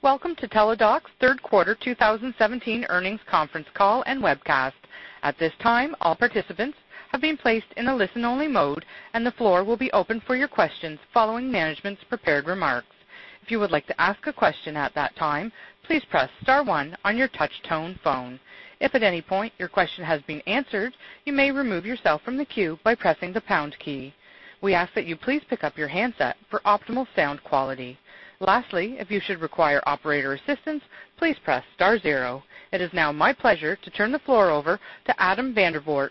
Welcome to Teladoc's third quarter 2017 earnings conference call and webcast. At this time, all participants have been placed in a listen-only mode, and the floor will be open for your questions following management's prepared remarks. If you would like to ask a question at that time, please press star one on your touch-tone phone. If at any point your question has been answered, you may remove yourself from the queue by pressing the pound key. We ask that you please pick up your handset for optimal sound quality. Lastly, if you should require operator assistance, please press star zero. It is now my pleasure to turn the floor over to Adam Vandervoort,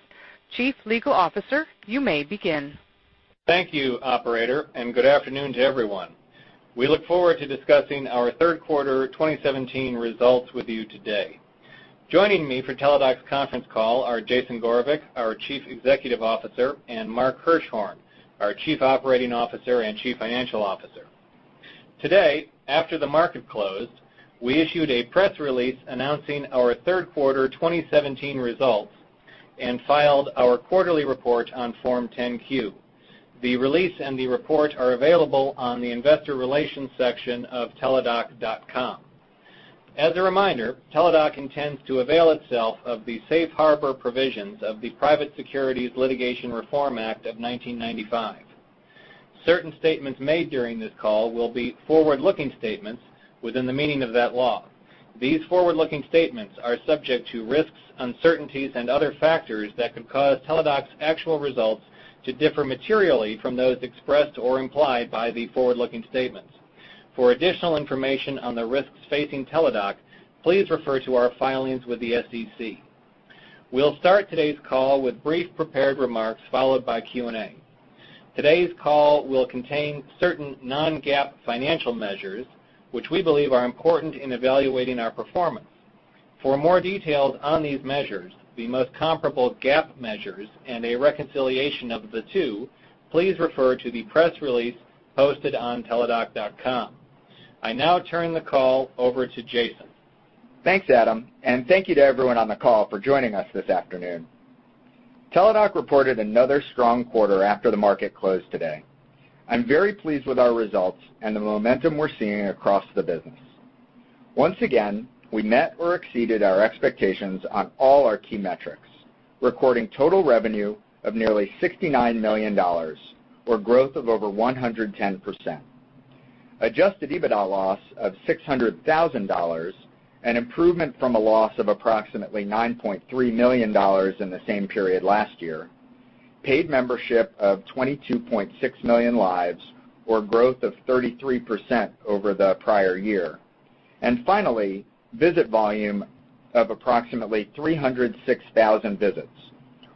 Chief Legal Officer. You may begin. Thank you, operator, and good afternoon to everyone. We look forward to discussing our third quarter 2017 results with you today. Joining me for Teladoc's conference call are Jason Gorevic, our Chief Executive Officer, and Mark Hirschhorn, our Chief Operating Officer and Chief Financial Officer. Today, after the market closed, we issued a press release announcing our third quarter 2017 results and filed our quarterly report on Form 10-Q. The release and the report are available on the investor relations section of teladoc.com. As a reminder, Teladoc intends to avail itself of the safe harbor provisions of the Private Securities Litigation Reform Act of 1995. Certain statements made during this call will be forward-looking statements within the meaning of that law. These forward-looking statements are subject to risks, uncertainties, and other factors that could cause Teladoc's actual results to differ materially from those expressed or implied by the forward-looking statements. For additional information on the risks facing Teladoc, please refer to our filings with the SEC. We'll start today's call with brief prepared remarks, followed by Q&A. Today's call will contain certain non-GAAP financial measures which we believe are important in evaluating our performance. For more details on these measures, the most comparable GAAP measures, and a reconciliation of the two, please refer to the press release posted on teladoc.com. I now turn the call over to Jason. Thanks, Adam, and thank you to everyone on the call for joining us this afternoon. Teladoc reported another strong quarter after the market closed today. I'm very pleased with our results and the momentum we're seeing across the business. Once again, we met or exceeded our expectations on all our key metrics, recording total revenue of nearly $69 million, or growth of over 110%. Adjusted EBITDA loss of $600,000, an improvement from a loss of approximately $9.3 million in the same period last year. Paid membership of 22.6 million lives, or growth of 33% over the prior year. Finally, visit volume of approximately 306,000 visits,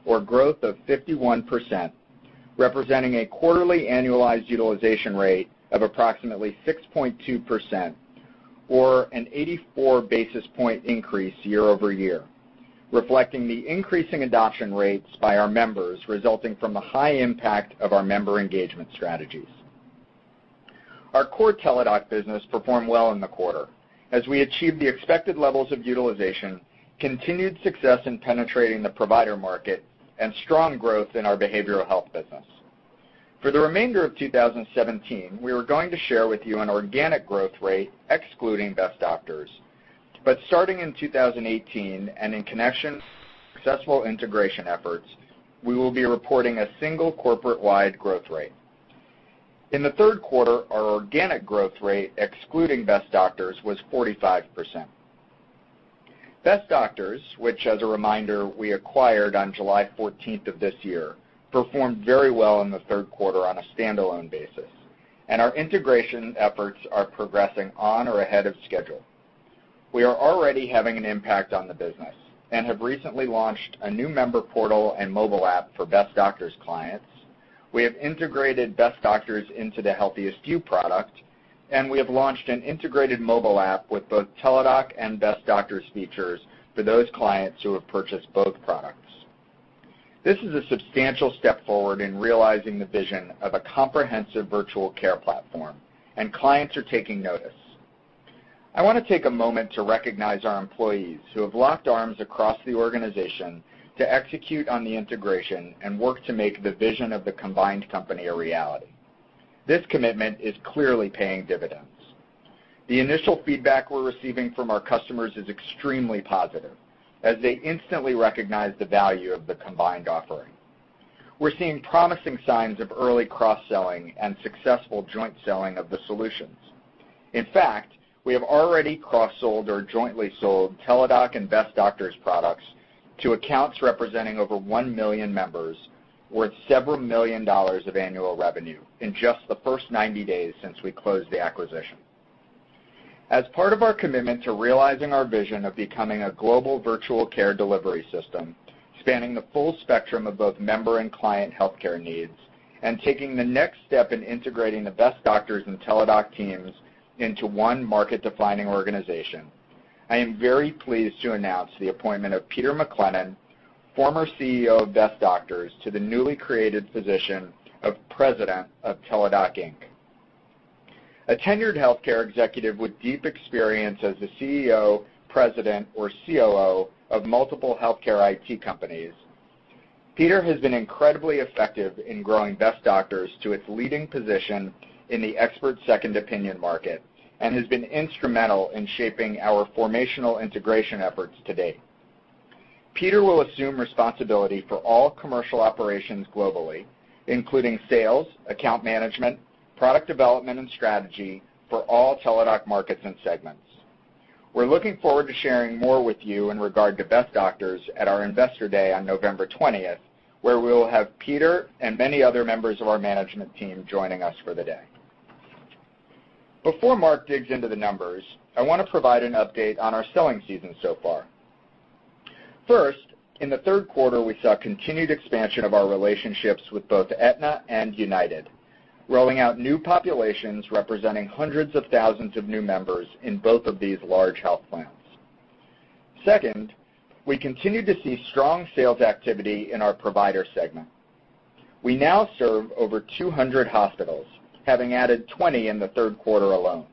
or growth of 51%, representing a quarterly annualized utilization rate of approximately 6.2%, or an 84 basis point increase year-over-year, reflecting the increasing adoption rates by our members resulting from the high impact of our member engagement strategies. Our core Teladoc business performed well in the quarter as we achieved the expected levels of utilization, continued success in penetrating the provider market, and strong growth in our behavioral health business. For the remainder of 2017, we are going to share with you an organic growth rate excluding Best Doctors. Starting in 2018, and in connection with successful integration efforts, we will be reporting a single corporate-wide growth rate. In the third quarter, our organic growth rate, excluding Best Doctors, was 45%. Best Doctors, which, as a reminder, we acquired on July 14th of this year, performed very well in the third quarter on a standalone basis, and our integration efforts are progressing on or ahead of schedule. We are already having an impact on the business and have recently launched a new member portal and mobile app for Best Doctors clients. We have integrated Best Doctors into the HealthiestYou product, and we have launched an integrated mobile app with both Teladoc and Best Doctors features for those clients who have purchased both products. This is a substantial step forward in realizing the vision of a comprehensive virtual care platform, and clients are taking notice. I want to take a moment to recognize our employees who have locked arms across the organization to execute on the integration and work to make the vision of the combined company a reality. This commitment is clearly paying dividends. The initial feedback we're receiving from our customers is extremely positive, as they instantly recognize the value of the combined offering. We're seeing promising signs of early cross-selling and successful joint selling of the solutions. In fact, we have already cross-sold or jointly sold Teladoc and Best Doctors products to accounts representing over 1 million members worth $several million of annual revenue in just the first 90 days since we closed the acquisition. As part of our commitment to realizing our vision of becoming a global virtual care delivery system, spanning the full spectrum of both member and client healthcare needs, and taking the next step in integrating the Best Doctors and Teladoc teams into one market-defining organization, I am very pleased to announce the appointment of Peter McClennen, former CEO of Best Doctors, to the newly created position of President of Teladoc, Inc. A tenured healthcare executive with deep experience as the CEO, President, or COO of multiple healthcare IT companies. Peter has been incredibly effective in growing Best Doctors to its leading position in the expert second opinion market and has been instrumental in shaping our formational integration efforts to date. Peter will assume responsibility for all commercial operations globally, including sales, account management, product development, and strategy for all Teladoc markets and segments. We're looking forward to sharing more with you in regard to Best Doctors at our Investor Day on November 20th, where we will have Peter and many other members of our management team joining us for the day. Before Mark digs into the numbers, I want to provide an update on our selling season so far. First, in the third quarter, we saw continued expansion of our relationships with both Aetna and United, rolling out new populations representing hundreds of thousands of new members in both of these large health plans. We continue to see strong sales activity in our provider segment. We now serve over 200 hospitals, having added 20 in the third quarter alone.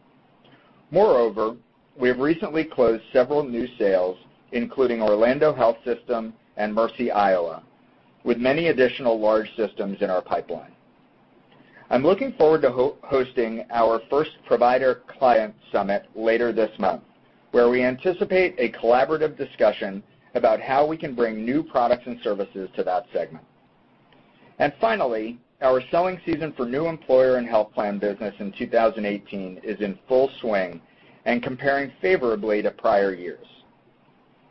We have recently closed several new sales, including Orlando Health and Mercy Iowa City, with many additional large systems in our pipeline. I'm looking forward to hosting our first provider client summit later this month, where we anticipate a collaborative discussion about how we can bring new products and services to that segment. Our selling season for new employer and health plan business in 2018 is in full swing and comparing favorably to prior years.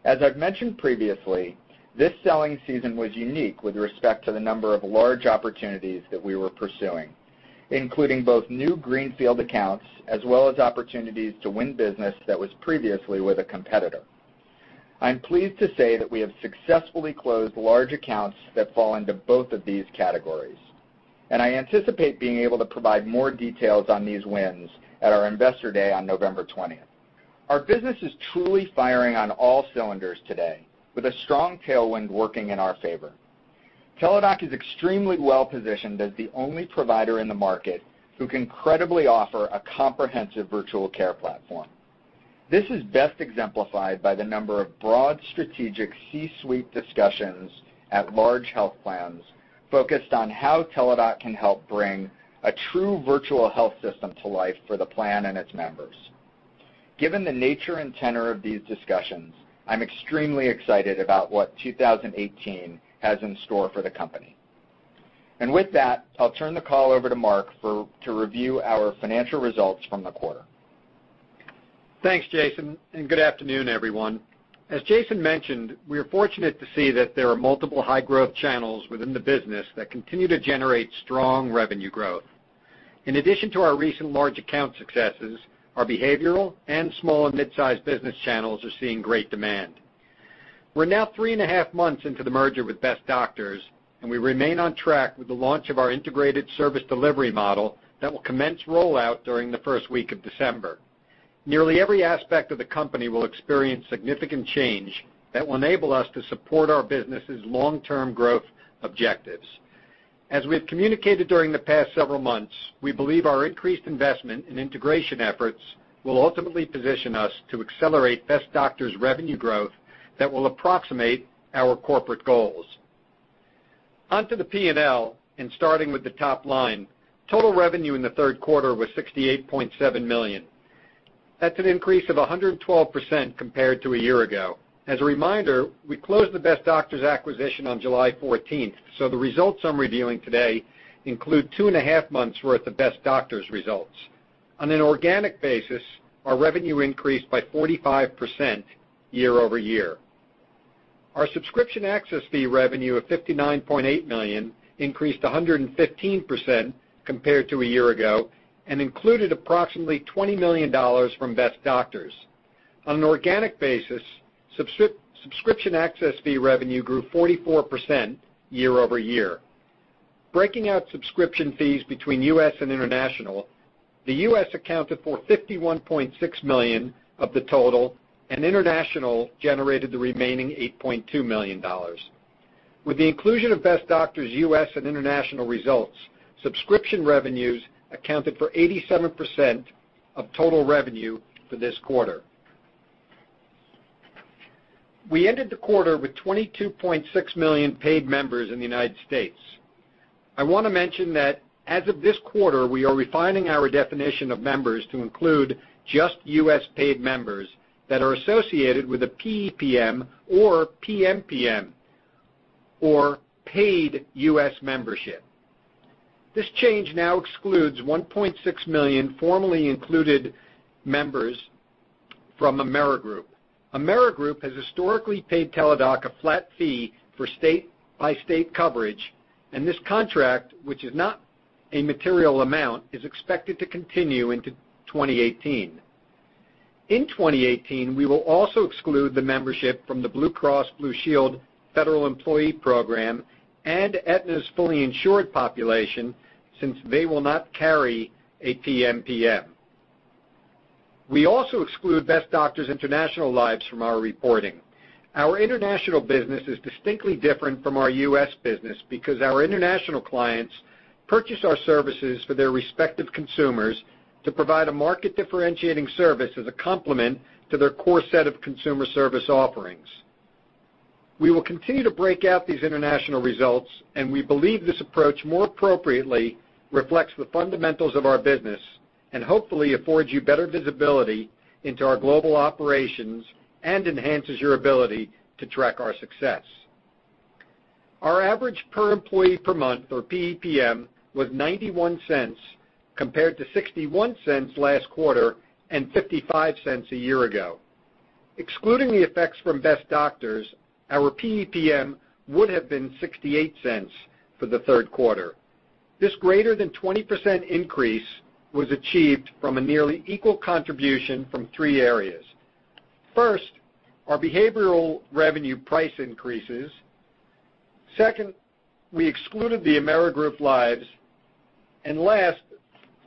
As I've mentioned previously, this selling season was unique with respect to the number of large opportunities that we were pursuing, including both new greenfield accounts as well as opportunities to win business that was previously with a competitor. I'm pleased to say that we have successfully closed large accounts that fall into both of these categories. I anticipate being able to provide more details on these wins at our Investor Day on November 20th. Our business is truly firing on all cylinders today with a strong tailwind working in our favor. Teladoc is extremely well-positioned as the only provider in the market who can credibly offer a comprehensive virtual care platform. This is best exemplified by the number of broad strategic C-suite discussions at large health plans focused on how Teladoc can help bring a true virtual health system to life for the plan and its members. Given the nature and tenor of these discussions, I'm extremely excited about what 2018 has in store for the company. I'll turn the call over to Mark to review our financial results from the quarter. Thanks, Jason, and good afternoon, everyone. As Jason mentioned, we are fortunate to see that there are multiple high-growth channels within the business that continue to generate strong revenue growth. In addition to our recent large account successes, our behavioral and small and mid-sized business channels are seeing great demand. We're now three and a half months into the merger with Best Doctors, and we remain on track with the launch of our integrated service delivery model that will commence rollout during the first week of December. Nearly every aspect of the company will experience significant change that will enable us to support our business's long-term growth objectives. As we have communicated during the past several months, we believe our increased investment in integration efforts will ultimately position us to accelerate Best Doctors' revenue growth that will approximate our corporate goals. Starting with the top line, total revenue in the third quarter was $68.7 million. That's an increase of 112% compared to a year ago. We closed the Best Doctors acquisition on July 14th, so the results I'm revealing today include two and a half months' worth of Best Doctors results. On an organic basis, our revenue increased by 45% year-over-year. Our subscription access fee revenue of $59.8 million increased 115% compared to a year ago and included approximately $20 million from Best Doctors. On an organic basis, subscription access fee revenue grew 44% year-over-year. The U.S. accounted for $51.6 million of the total and international generated the remaining $8.2 million. With the inclusion of Best Doctors U.S. and international results, subscription revenues accounted for 87% of total revenue for this quarter. We ended the quarter with 22.6 million paid members in the United States. I want to mention that as of this quarter, we are refining our definition of members to include just U.S. paid members that are associated with a PEPM or PMPM or paid U.S. membership. This change now excludes 1.6 million formerly included members from Amerigroup. Amerigroup has historically paid Teladoc a flat fee for state-by-state coverage, and this contract, which is not a material amount, is expected to continue into 2018. In 2018, we will also exclude the membership from the Blue Cross Blue Shield Federal Employee Program and Aetna's fully insured population since they will not carry a PMPM. We also exclude Best Doctors International lives from our reporting. Our international business is distinctly different from our U.S. business because our international clients purchase our services for their respective consumers to provide a market-differentiating service as a complement to their core set of consumer service offerings. We will continue to break out these international results. We believe this approach more appropriately reflects the fundamentals of our business and hopefully affords you better visibility into our global operations and enhances your ability to track our success. Our average per employee per month or PEPM was $0.91 compared to $0.61 last quarter and $0.55 a year ago. Excluding the effects from Best Doctors, our PEPM would have been $0.68 for the third quarter. This greater than 20% increase was achieved from a nearly equal contribution from three areas. First, our behavioral revenue price increases. Second, we excluded the Amerigroup lives. Last,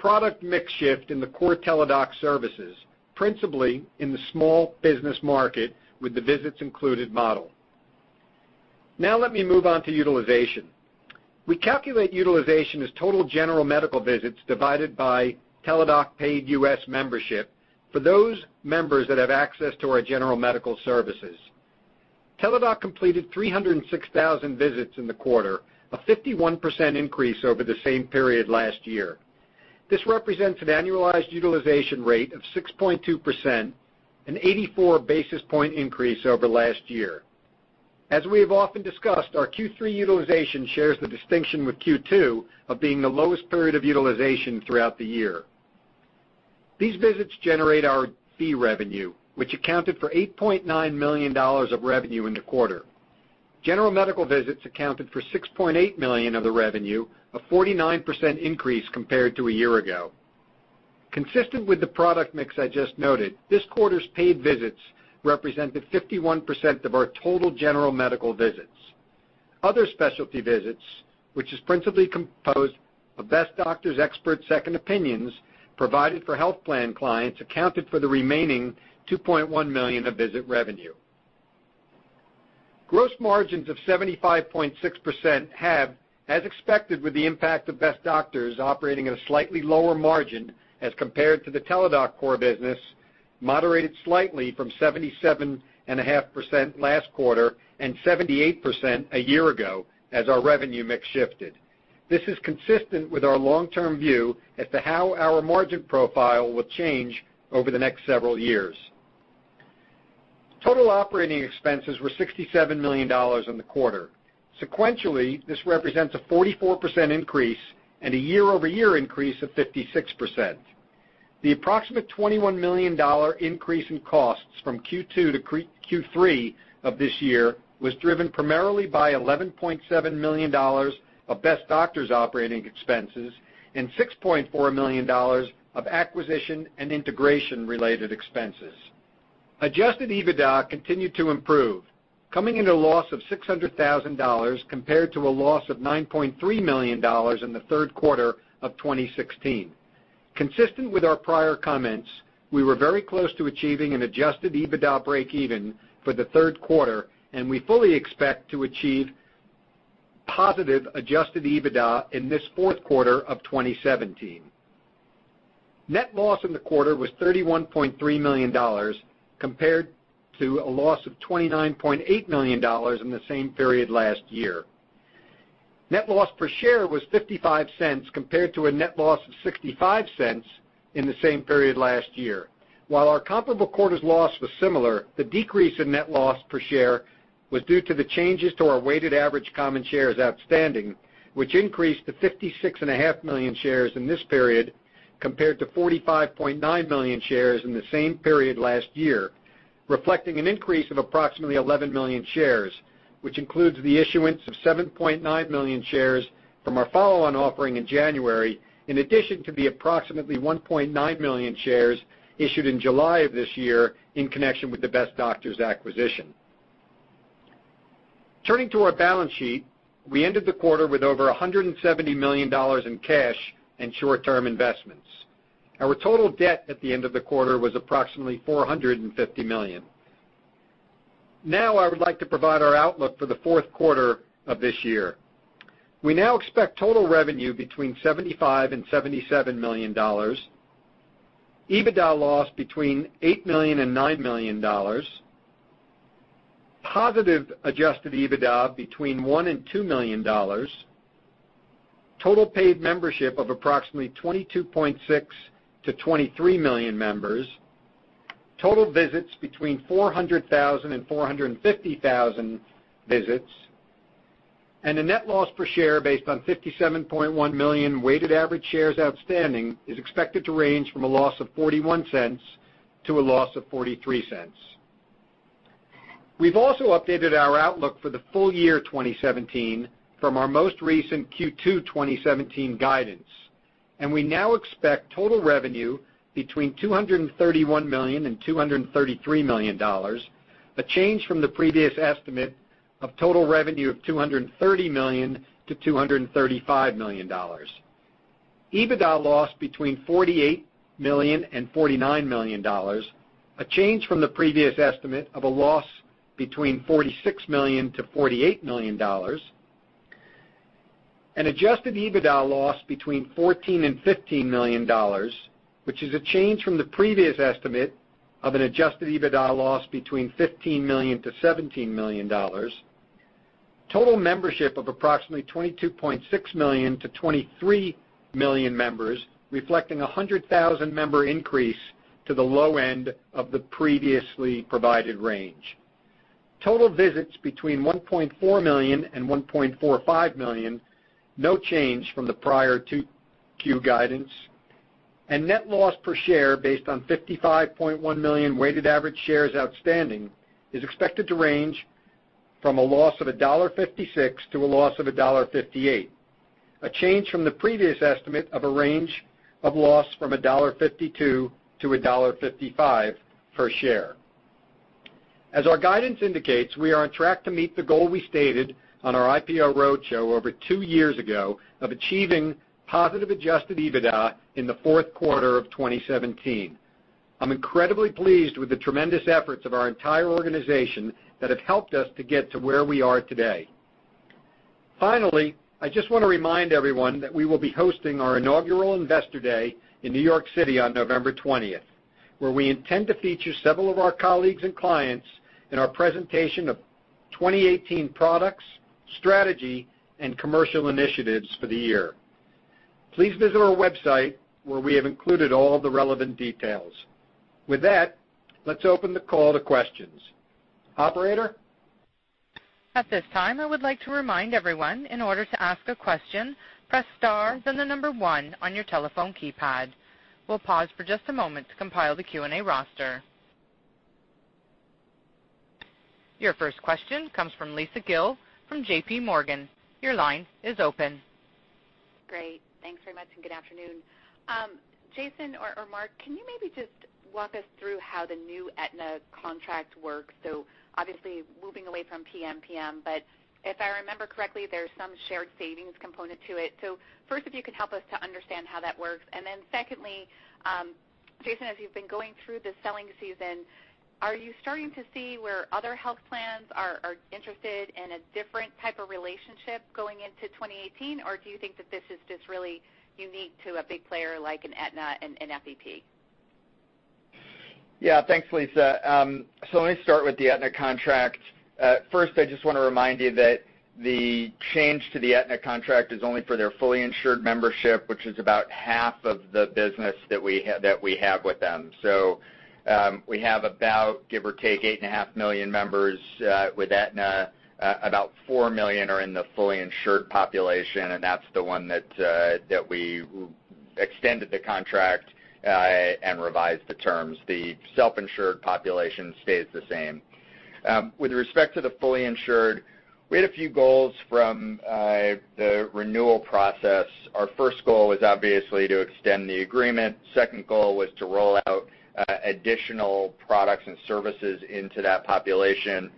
product mix shift in the core Teladoc services, principally in the small business market with the visits included model. Now let me move on to utilization. We calculate utilization as total general medical visits divided by Teladoc paid U.S. membership for those members that have access to our general medical services. Teladoc completed 306,000 visits in the quarter, a 51% increase over the same period last year. This represents an annualized utilization rate of 6.2%, an 84 basis point increase over last year. As we have often discussed, our Q3 utilization shares the distinction with Q2 of being the lowest period of utilization throughout the year. These visits generate our fee revenue, which accounted for $8.9 million of revenue in the quarter. General medical visits accounted for $6.8 million of the revenue, a 49% increase compared to a year ago. Consistent with the product mix I just noted, this quarter's paid visits represented 51% of our total general medical visits. Other specialty visits, which is principally composed of Best Doctors expert second opinions provided for health plan clients, accounted for the remaining $2.1 million of visit revenue. Gross margins of 75.6% have, as expected with the impact of Best Doctors operating at a slightly lower margin as compared to the Teladoc core business, moderated slightly from 77.5% last quarter and 78% a year ago as our revenue mix shifted. This is consistent with our long-term view as to how our margin profile will change over the next several years. Total operating expenses were $67 million in the quarter. Sequentially, this represents a 44% increase and a year-over-year increase of 56%. The approximate $21 million increase in costs from Q2 to Q3 of this year was driven primarily by $11.7 million of Best Doctors operating expenses and $6.4 million of acquisition and integration related expenses. Adjusted EBITDA continued to improve, coming in a loss of $600,000 compared to a loss of $9.3 million in the third quarter of 2016. Consistent with our prior comments, we were very close to achieving an adjusted EBITDA breakeven for the third quarter. We fully expect to achieve positive adjusted EBITDA in this fourth quarter of 2017. Net loss in the quarter was $31.3 million compared to a loss of $29.8 million in the same period last year. Net loss per share was $0.55 compared to a net loss of $0.65 in the same period last year. While our comparable quarters loss was similar, the decrease in net loss per share was due to the changes to our weighted average common shares outstanding, which increased to 56.5 million shares in this period compared to 45.9 million shares in the same period last year, reflecting an increase of approximately 11 million shares, which includes the issuance of 7.9 million shares from our follow-on offering in January, in addition to the approximately 1.9 million shares issued in July of this year in connection with the Best Doctors acquisition. Turning to our balance sheet, we ended the quarter with over $170 million in cash and short-term investments. Our total debt at the end of the quarter was approximately $450 million. I would like to provide our outlook for the fourth quarter of this year. We now expect total revenue between $75 million-$77 million, EBITDA loss between $8 million-$9 million, positive adjusted EBITDA between $1 million-$2 million, total paid membership of approximately 22.6 million to 23 million members, total visits between 400,000-450,000 visits. A net loss per share based on 57.1 million weighted average shares outstanding is expected to range from a loss of $0.41 to a loss of $0.43. We've also updated our outlook for the full year 2017 from our most recent Q2 2017 guidance. We now expect total revenue between $231 million-$233 million, a change from the previous estimate of total revenue of $230 million-$235 million. EBITDA loss between $48 million-$49 million, a change from the previous estimate of a loss between $46 million-$48 million. An adjusted EBITDA loss between $14 million-$15 million, which is a change from the previous estimate of an adjusted EBITDA loss between $15 million-$17 million. Total membership of approximately 22.6 million to 23 million members, reflecting 100,000 member increase to the low end of the previously provided range. Total visits between 1.4 million-1.45 million, no change from the prior 2Q guidance. Net loss per share based on 55.1 million weighted average shares outstanding is expected to range from a loss of $1.56 to a loss of $1.58, a change from the previous estimate of a range of loss from $1.52-$1.55 per share. As our guidance indicates, we are on track to meet the goal we stated on our IPO roadshow over two years ago of achieving positive adjusted EBITDA in the fourth quarter of 2017. I'm incredibly pleased with the tremendous efforts of our entire organization that have helped us to get to where we are today. I just want to remind everyone that we will be hosting our inaugural Investor Day in New York City on November 20th, where we intend to feature several of our colleagues and clients in our presentation of 2018 products, strategy, and commercial initiatives for the year. Please visit our website, where we have included all the relevant details. With that, let's open the call to questions. Operator? At this time, I would like to remind everyone, in order to ask a question, press star, then the number one on your telephone keypad. We'll pause for just a moment to compile the Q&A roster. Your first question comes from Lisa Gill from JPMorgan. Your line is open. Great. Thanks very much, good afternoon. Jason or Mark, can you maybe just walk us through how the new Aetna contract works? Obviously, moving away from PMPM, if I remember correctly, there's some shared savings component to it. First, if you could help us to understand how that works. Secondly, Jason, as you've been going through the selling season, are you starting to see where other health plans are interested in a different type of relationship going into 2018? Do you think that this is just really unique to a big player like an Aetna and an FEP? Yeah. Thanks, Lisa. Let me start with the Aetna contract. First, I just want to remind you that the change to the Aetna contract is only for their fully insured membership, which is about half of the business that we have with them. We have about, give or take, 8.5 million members with Aetna. About 4 million are in the fully insured population, that's the one that we extended the contract and revised the terms. The self-insured population stays the same. With respect to the fully insured, we had a few goals from the renewal process. Our first goal was obviously to extend the agreement. Second goal was to roll out additional products and services into that population,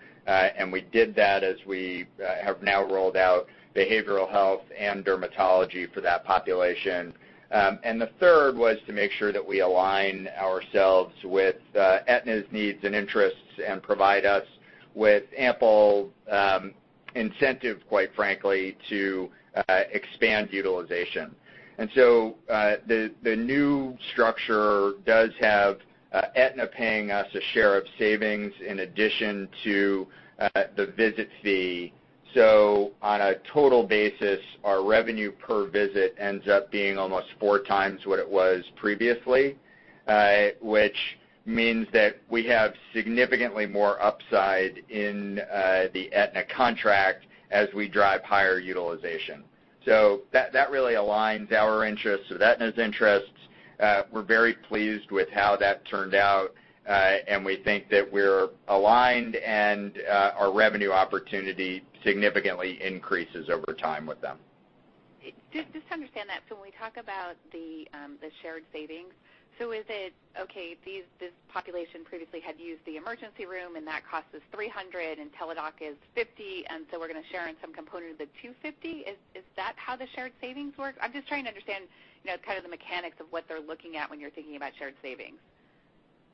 we did that as we have now rolled out behavioral health and dermatology for that population. The third was to make sure that we align ourselves with Aetna's needs and interests and provide us with ample incentive, quite frankly, to expand utilization. The new structure does have Aetna paying us a share of savings in addition to the visit fee. On a total basis, our revenue per visit ends up being almost 4 times what it was previously, which means that we have significantly more upside in the Aetna contract as we drive higher utilization. That really aligns our interests with Aetna's interests. We're very pleased with how that turned out, and we think that we're aligned and our revenue opportunity significantly increases over time with them. Just to understand that, when we talk about the shared savings. Is it, okay, this population previously had used the emergency room, and that cost us $300, and Teladoc is $50, we're going to share in some component of the $250. Is that how the shared savings work? I'm just trying to understand kind of the mechanics of what they're looking at when you're thinking about shared savings.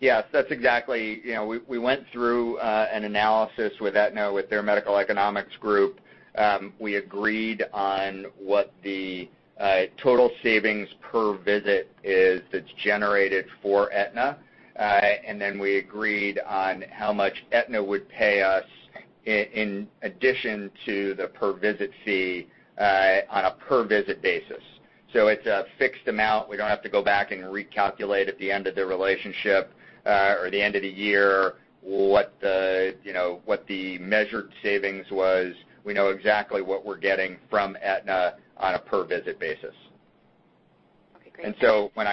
Yes. We went through an analysis with Aetna, with their medical economics group. We agreed on what the total savings per visit is that's generated for Aetna. We agreed on how much Aetna would pay us in addition to the per visit fee on a per visit basis. It's a fixed amount. We don't have to go back and recalculate at the end of the relationship, or the end of the year what the measured savings was. We know exactly what we're getting from Aetna on a per visit basis. Okay, great. When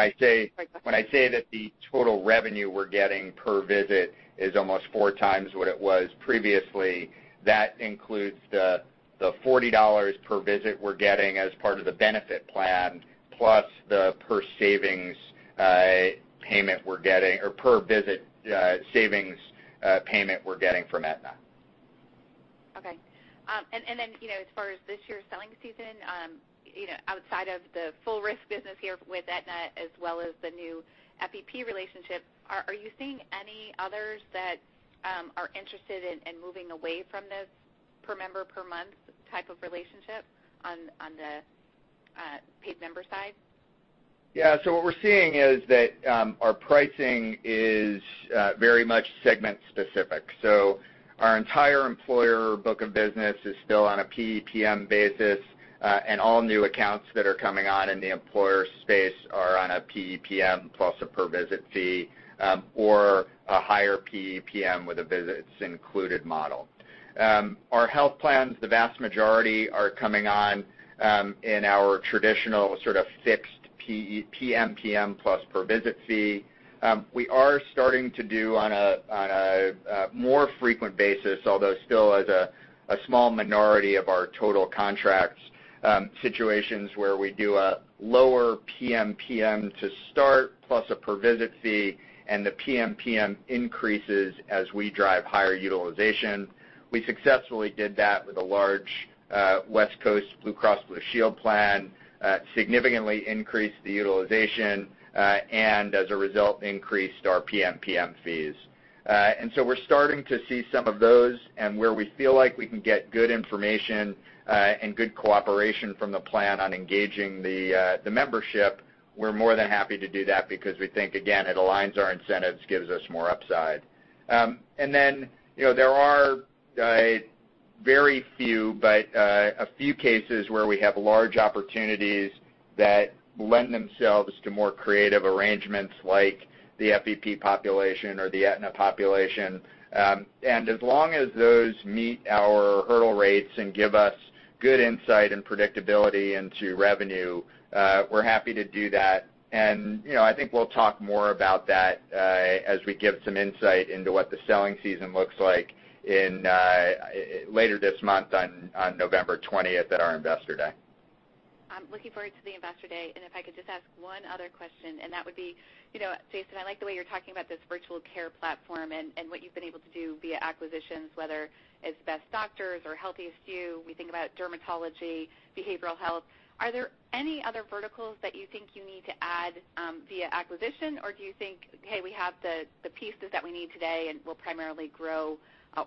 I say that the total revenue we're getting per visit is almost four times what it was previously, that includes the $40 per visit we're getting as part of the benefit plan, plus the per savings payment we're getting, or per visit savings payment we're getting from Aetna. Okay. As far as this year's selling season, outside of the full risk business here with Aetna as well as the new FEP relationship, are you seeing any others that are interested in moving away from this per member per month type of relationship on the paid member side? Yeah. What we're seeing is that our pricing is very much segment specific. Our entire employer book of business is still on a PEPM basis. All new accounts that are coming on in the employer space are on a PEPM plus a per visit fee, or a higher PEPM with a visits included model. Our health plans, the vast majority are coming on in our traditional sort of fixed PEPM plus per visit fee. We are starting to do on a more frequent basis, although still as a small minority of our total contracts, situations where we do a lower PEPM to start, plus a per visit fee, and the PEPM increases as we drive higher utilization. We successfully did that with a large West Coast Blue Cross Blue Shield plan, significantly increased the utilization, and as a result, increased our PEPM fees. We're starting to see some of those, and where we feel like we can get good information and good cooperation from the plan on engaging the membership, we're more than happy to do that because we think, again, it aligns our incentives, gives us more upside. There are very few, but a few cases where we have large opportunities that lend themselves to more creative arrangements like the FEP population or the Aetna population. As long as those meet our hurdle rates and give us good insight and predictability into revenue, we're happy to do that. I think we'll talk more about that as we give some insight into what the selling season looks like later this month on November 20th at our Investor Day. I'm looking forward to the Investor Day. If I could just ask one other question, that would be, Jason, I like the way you're talking about this virtual care platform and what you've been able to do via acquisitions, whether it's Best Doctors or HealthiestYou. We think about dermatology, behavioral health. Are there any other verticals that you think you need to add via acquisition, or do you think, hey, we have the pieces that we need today and we'll primarily grow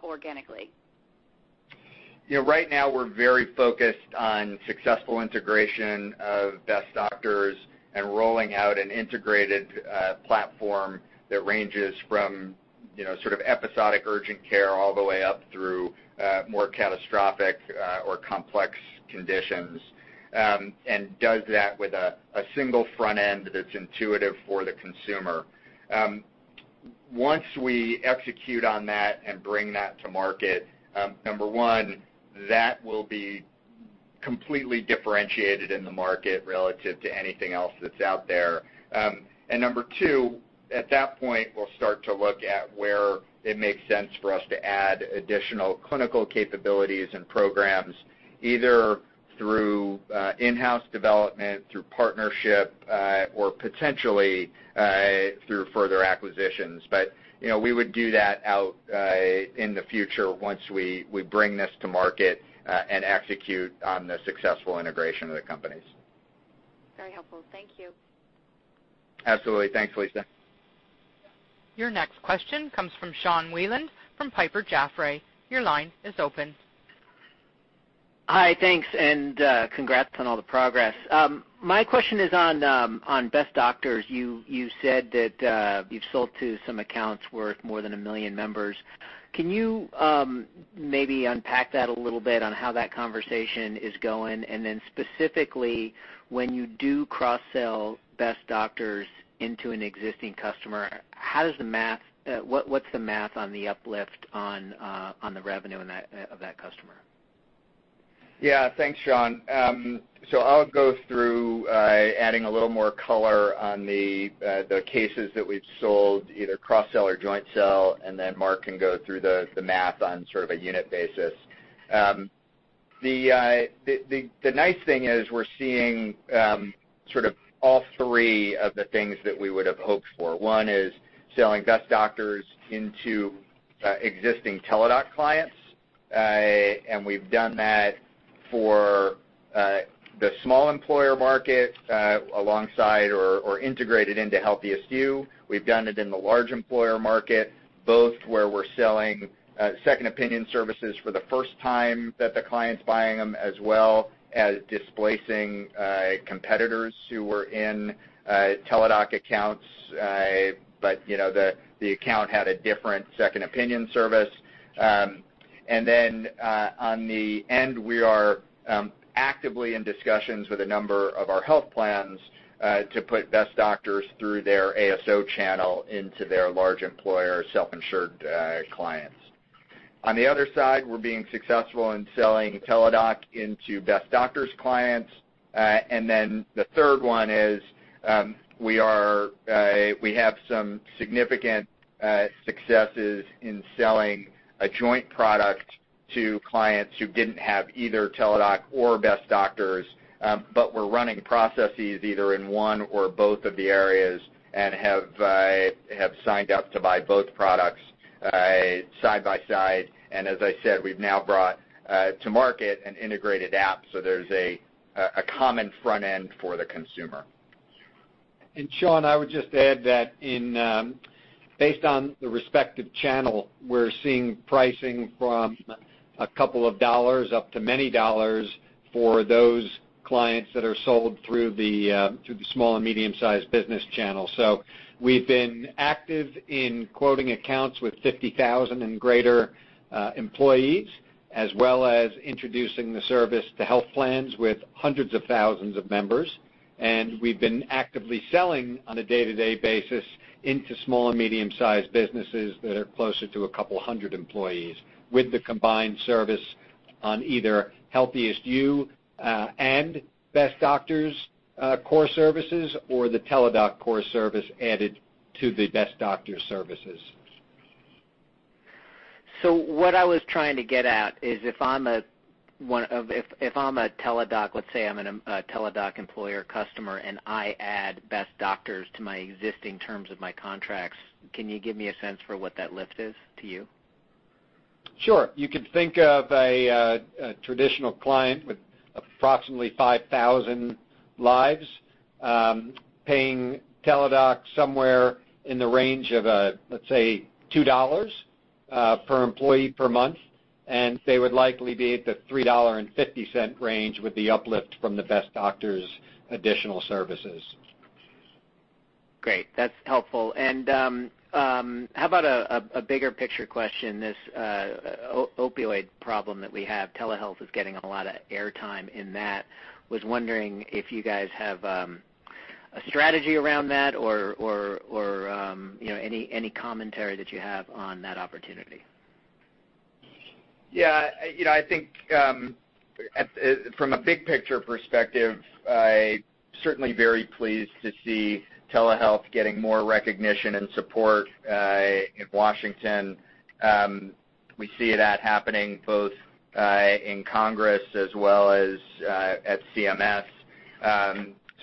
organically? Right now, we're very focused on successful integration of Best Doctors and rolling out an integrated platform that ranges from sort of episodic urgent care all the way up through more catastrophic or complex conditions. That does that with a single front end that's intuitive for the consumer. Once we execute on that and bring that to market, number one, that will be completely differentiated in the market relative to anything else that's out there. Number two, at that point, we'll start to look at where it makes sense for us to add additional clinical capabilities and programs, either through in-house development, through partnership, or potentially through further acquisitions. We would do that out in the future once we bring this to market and execute on the successful integration of the companies. Very helpful. Thank you. Absolutely. Thanks, Lisa. Your next question comes from Sean Wieland from Piper Jaffray. Your line is open. Hi, thanks, and congrats on all the progress. My question is on Best Doctors. You said that you've sold to some accounts worth more than 1 million members. Specifically, when you do cross-sell Best Doctors into an existing customer, what's the math on the uplift on the revenue of that customer? Thanks, Sean. I'll go through adding a little more color on the cases that we've sold, either cross-sell or joint sell. Mark can go through the math on sort of a unit basis. The nice thing is we're seeing sort of all three of the things that we would have hoped for. One is selling Best Doctors into existing Teladoc clients. We've done that for the small employer market alongside or integrated into HealthiestYou. We've done it in the large employer market, both where we're selling second opinion services for the first time that the client's buying them, as well as displacing competitors who were in Teladoc accounts, but the account had a different second opinion service. On the end, we are actively in discussions with a number of our health plans to put Best Doctors through their ASO channel into their large employer self-insured clients. On the other side, we're being successful in selling Teladoc into Best Doctors clients. The third one is we have some significant successes in selling a joint product to clients who didn't have either Teladoc or Best Doctors, but were running processes either in one or both of the areas and have signed up to buy both products side by side. As I said, we've now brought to market an integrated app, so there's a common front end for the consumer. Sean, I would just add that based on the respective channel, we're seeing pricing from A couple of dollars up to many dollars for those clients that are sold through the small and medium-sized business channel. We've been active in quoting accounts with 50,000 and greater employees, as well as introducing the service to health plans with hundreds of thousands of members. We've been actively selling on a day-to-day basis into small and medium-sized businesses that are closer to a couple hundred employees with the combined service on either HealthiestYou and Best Doctors core services or the Teladoc core service added to the Best Doctors services. What I was trying to get at is, if I'm a Teladoc, let's say I'm a Teladoc employer customer and I add Best Doctors to my existing terms of my contracts, can you give me a sense for what that lift is to you? Sure. You could think of a traditional client with approximately 5,000 lives, paying Teladoc somewhere in the range of, let's say, $2 per employee per month, and they would likely be at the $3.50 range with the uplift from the Best Doctors additional services. Great. That's helpful. How about a bigger picture question, this opioid problem that we have, telehealth is getting a lot of air time in that. I was wondering if you guys have a strategy around that or any commentary that you have on that opportunity. Yeah. I think from a big picture perspective, certainly very pleased to see telehealth getting more recognition and support in Washington. We see that happening both in Congress as well as at CMS.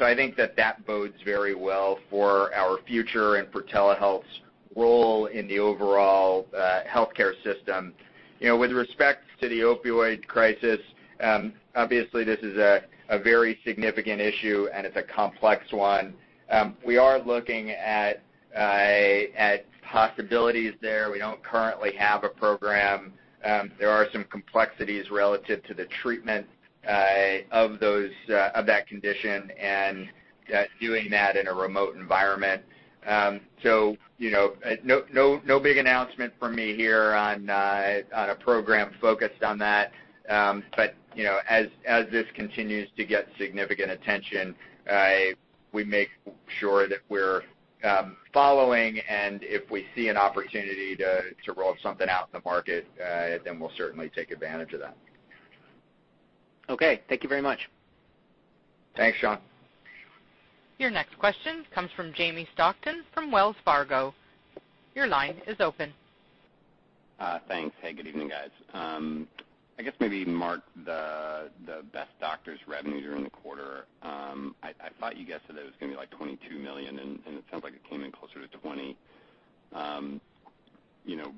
I think that bodes very well for our future and for telehealth's role in the overall healthcare system. With respect to the opioid crisis, obviously this is a very significant issue, and it's a complex one. We are looking at possibilities there. We don't currently have a program. There are some complexities relative to the treatment of that condition and doing that in a remote environment. No big announcement from me here on a program focused on that. As this continues to get significant attention, we make sure that we're following, and if we see an opportunity to roll something out in the market, we'll certainly take advantage of that. Okay. Thank you very much. Thanks, Sean. Your next question comes from Jamie Stockton from Wells Fargo. Your line is open. Thanks. Hey, good evening, guys. I guess maybe Mark, the Best Doctors revenues during the quarter. I thought you guys said it was going to be like $22 million, and it sounds like it came in closer to $20 million.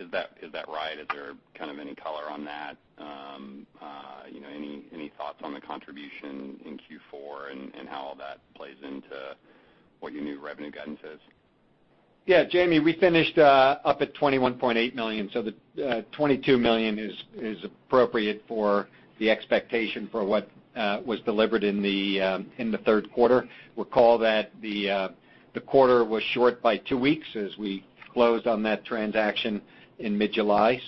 Is that right? Is there kind of any color on that? Any thoughts on the contribution in Q4 and how all that plays into what your new revenue guidance is? Yeah, Jamie, we finished up at $21.8 million. The $22 million is appropriate for the expectation for what was delivered in the third quarter. Recall that the quarter was short by two weeks as we closed on that transaction in mid-July.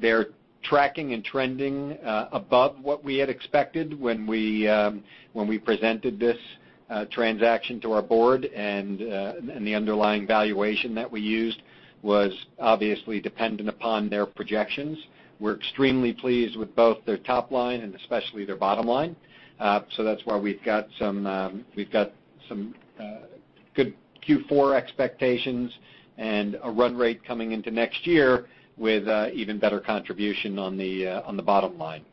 They're tracking and trending above what we had expected when we presented this transaction to our board, and the underlying valuation that we used was obviously dependent upon their projections. We're extremely pleased with both their top line and especially their bottom line. That's why we've got some good Q4 expectations and a run rate coming into next year with even better contribution on the bottom line.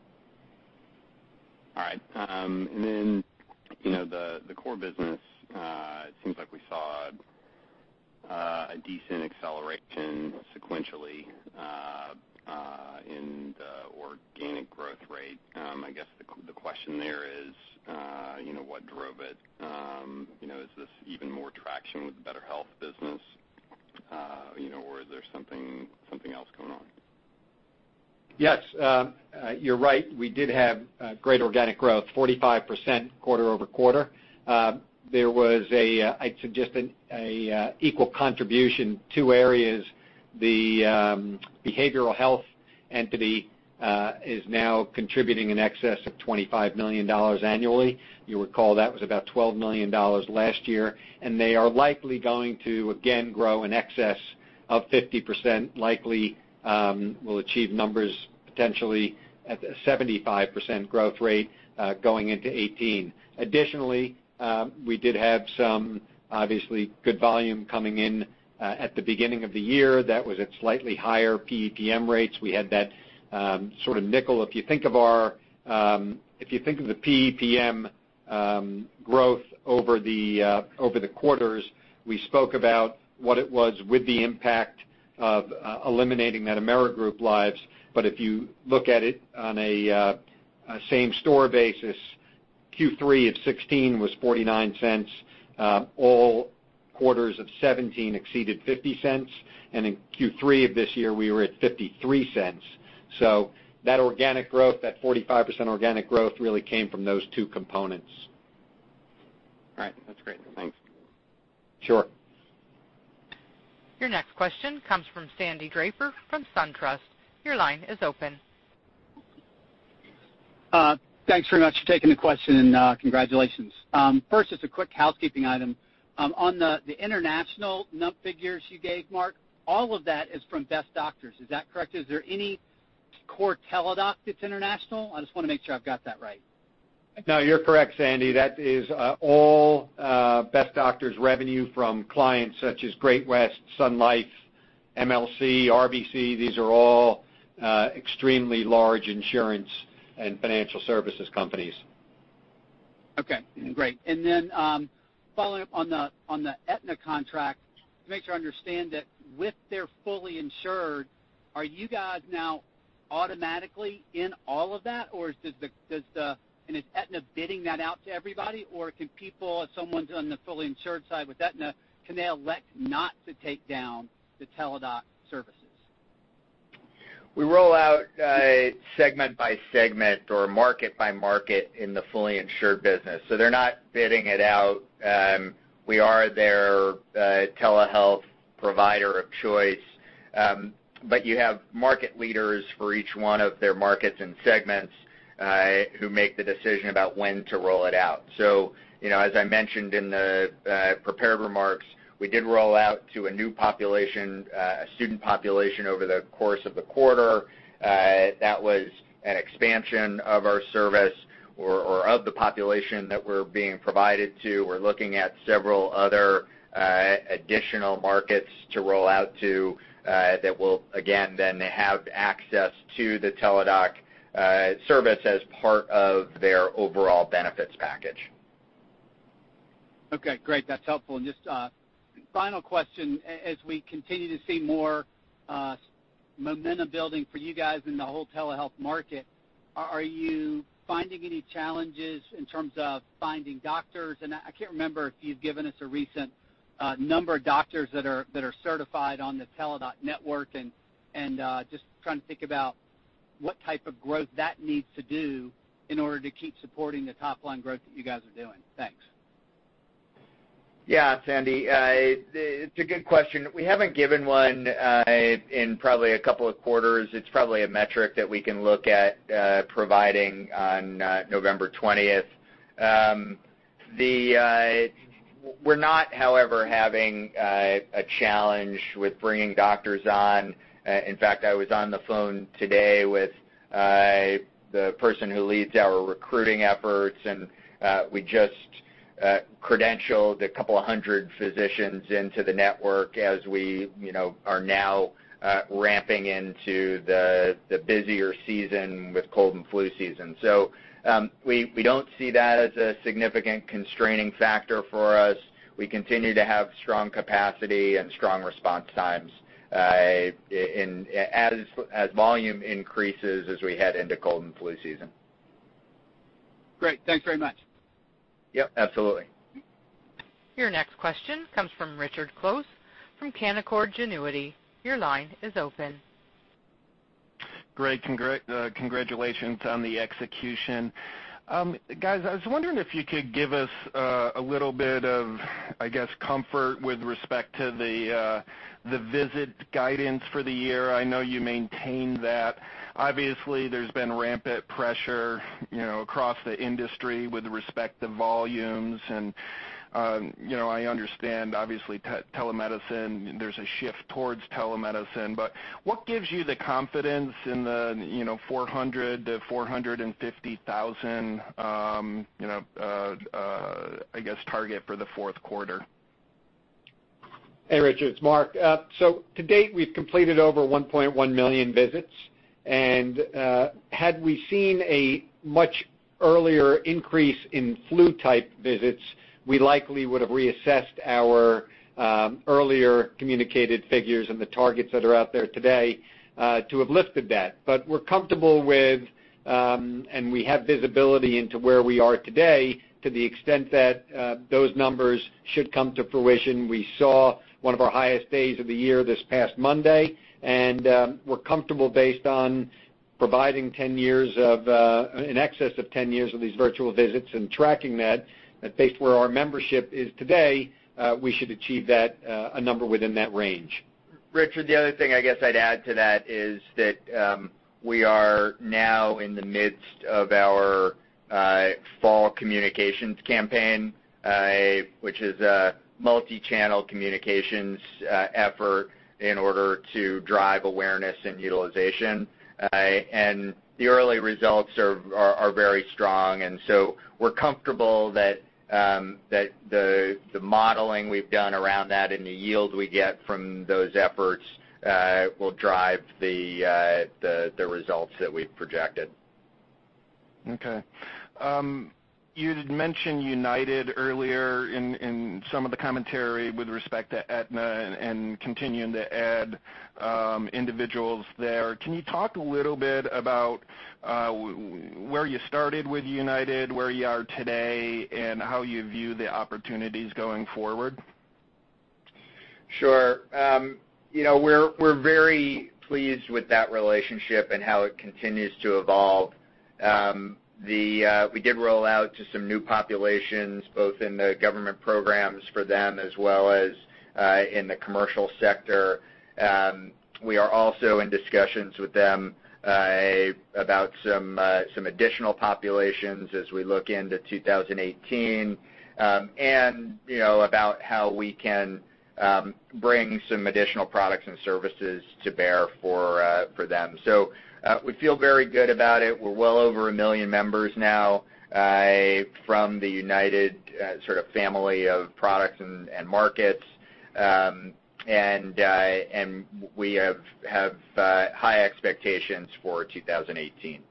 All right. The core business, it seems like we saw a decent acceleration sequentially in the organic growth rate. I guess the question there is what drove it? Is this even more traction with the behavioral health business? Or is there something else going on? Yes. You're right. We did have great organic growth, 45% quarter-over-quarter. There was, I'd suggest, an equal contribution. Two areas, the behavioral health entity is now contributing in excess of $25 million annually. You'll recall that was about $12 million last year, and they are likely going to again grow in excess of 50%, likely will achieve numbers potentially at a 75% growth rate going into 2018. Additionally, we did have some obviously good volume coming in at the beginning of the year. That was at slightly higher PEPM rates. We had that sort of $0.05. If you think of the PEPM growth over the quarters, we spoke about what it was with the impact of eliminating that Amerigroup lives. If you look at it on a same store basis Q3 of 2016 was $0.49. All quarters of 2017 exceeded $0.50. In Q3 of this year, we were at $0.53. That organic growth, that 45% organic growth, really came from those two components. All right. That's great. Thanks. Sure. Your next question comes from Sandy Draper from SunTrust. Your line is open. Thanks very much for taking the question, and congratulations. Just a quick housekeeping item. On the international figures you gave, Mark, all of that is from Best Doctors. Is that correct? Is there any core Teladoc that's international? I just want to make sure I've got that right. No, you're correct, Sandy. That is all Best Doctors revenue from clients such as Great-West, Sun Life, MLC, RBC. These are all extremely large insurance and financial services companies. Okay, great. Following up on the Aetna contract, to make sure I understand it, with their fully insured, are you guys now automatically in all of that? Is Aetna bidding that out to everybody? Can people, if someone's on the fully insured side with Aetna, can they elect not to take down the Teladoc services? We roll out segment by segment or market by market in the fully insured business. They're not bidding it out. We are their telehealth provider of choice. You have market leaders for each one of their markets and segments who make the decision about when to roll it out. As I mentioned in the prepared remarks, we did roll out to a new population, a student population, over the course of the quarter. That was an expansion of our service or of the population that we're being provided to. We're looking at several other additional markets to roll out to that will, again, then have access to the Teladoc service as part of their overall benefits package. Okay, great. That's helpful. Just final question. As we continue to see more momentum building for you guys in the whole telehealth market, are you finding any challenges in terms of finding doctors? I can't remember if you've given us a recent number of doctors that are certified on the Teladoc network, and just trying to think about what type of growth that needs to do in order to keep supporting the top-line growth that you guys are doing. Thanks. Sandy. It's a good question. We haven't given one in probably a couple of quarters. It's probably a metric that we can look at providing on November 20th. We're not, however, having a challenge with bringing doctors on. In fact, I was on the phone today with the person who leads our recruiting efforts, and we just credentialed a couple of hundred physicians into the network as we are now ramping into the busier season with cold and flu season. We don't see that as a significant constraining factor for us. We continue to have strong capacity and strong response times as volume increases as we head into cold and flu season. Great. Thanks very much. Absolutely. Your next question comes from Richard Close from Canaccord Genuity. Your line is open. Great, congratulations on the execution. Guys, I was wondering if you could give us a little bit of, I guess, comfort with respect to the visit guidance for the year. I know you maintained that. Obviously, there's been rampant pressure across the industry with respect to volumes, and I understand, obviously, there's a shift towards telemedicine. What gives you the confidence in the 400,000-450,000, I guess, target for the fourth quarter? Hey, Richard, it's Mark. To date, we've completed over 1.1 million visits. Had we seen a much earlier increase in flu-type visits, we likely would have reassessed our earlier communicated figures and the targets that are out there today to have lifted that. We're comfortable with, and we have visibility into where we are today to the extent that those numbers should come to fruition. We saw one of our highest days of the year this past Monday, and we're comfortable based on providing in excess of 10 years of these virtual visits and tracking that based where our membership is today, we should achieve a number within that range. Richard, the other thing I guess I'd add to that is that we are now in the midst of our fall communications campaign, which is a multi-channel communications effort in order to drive awareness and utilization. The early results are very strong, and so we're comfortable that the modeling we've done around that and the yield we get from those efforts will drive the results that we've projected. Okay. You'd mentioned UnitedHealthcare earlier in some of the commentary with respect to Aetna and continuing to add individuals there. Can you talk a little bit about where you started with UnitedHealthcare, where you are today, and how you view the opportunities going forward? Sure. We're very pleased with that relationship and how it continues to evolve. We did roll out to some new populations, both in the government programs for them, as well as in the commercial sector. We are also in discussions with them about some additional populations as we look into 2018, and about how we can bring some additional products and services to bear for them. We feel very good about it. We're well over 1 million members now from the UnitedHealthcare family of products and markets. We have high expectations for 2018.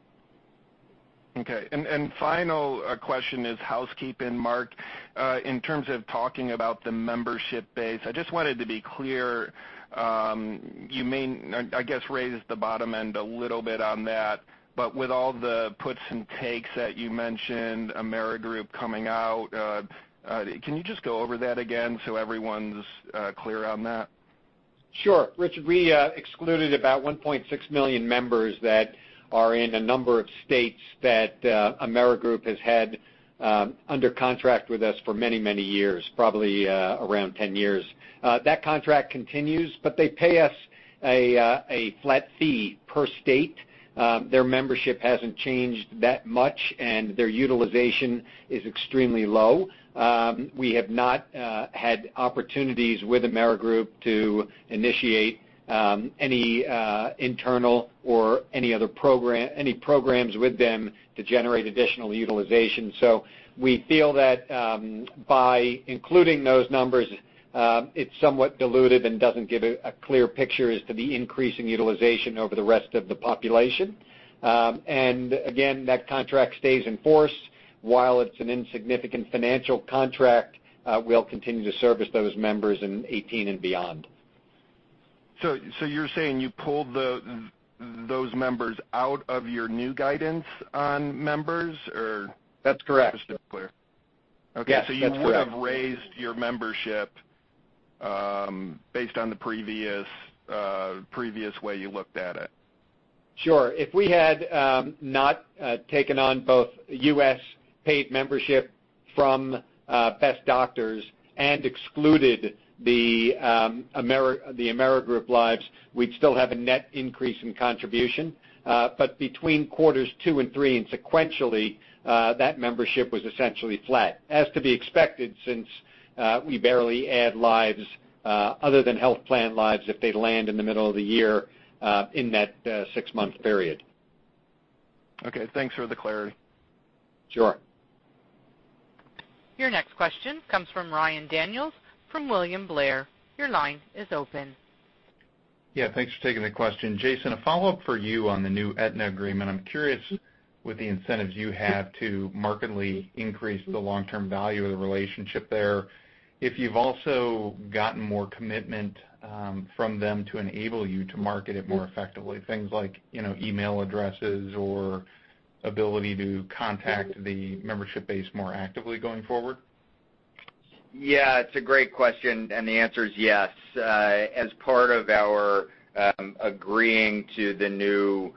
Okay. Final question is housekeeping, Mark. In terms of talking about the membership base, I just wanted to be clear. You may, I guess, raised the bottom end a little bit on that, but with all the puts and takes that you mentioned, Amerigroup coming out, can you just go over that again so everyone's clear on that? Sure. Richard, we excluded about 1.6 million members that are in a number of states that Amerigroup has had under contract with us for many, many years, probably around 10 years. That contract continues, but they pay us a flat fee per state. Their membership hasn't changed that much, and their utilization is extremely low. We have not had opportunities with Amerigroup to initiate any internal or any programs with them to generate additional utilization. We feel that by including those numbers, it's somewhat diluted and doesn't give a clear picture as to the increasing utilization over the rest of the population. Again, that contract stays in force. While it's an insignificant financial contract, we'll continue to service those members in 2018 and beyond. You're saying you pulled those members out of your new guidance on members, or? That's correct. Just so we're clear. Yes, that's correct. Okay, you would have raised your membership based on the previous way you looked at it. Sure. If we had not taken on both U.S. paid membership from Best Doctors and excluded the Amerigroup lives, we'd still have a net increase in contribution. Between quarters two and three and sequentially, that membership was essentially flat, as to be expected, since we barely add lives other than health plan lives if they land in the middle of the year in that six-month period. Okay, thanks for the clarity. Sure. Your next question comes from Ryan Daniels from William Blair. Your line is open. Yeah, thanks for taking the question. Jason, a follow-up for you on the new Aetna agreement. I'm curious, with the incentives you have to markedly increase the long-term value of the relationship there, if you've also gotten more commitment from them to enable you to market it more effectively, things like email addresses or ability to contact the membership base more actively going forward? It's a great question. The answer is yes. As part of our agreeing to the new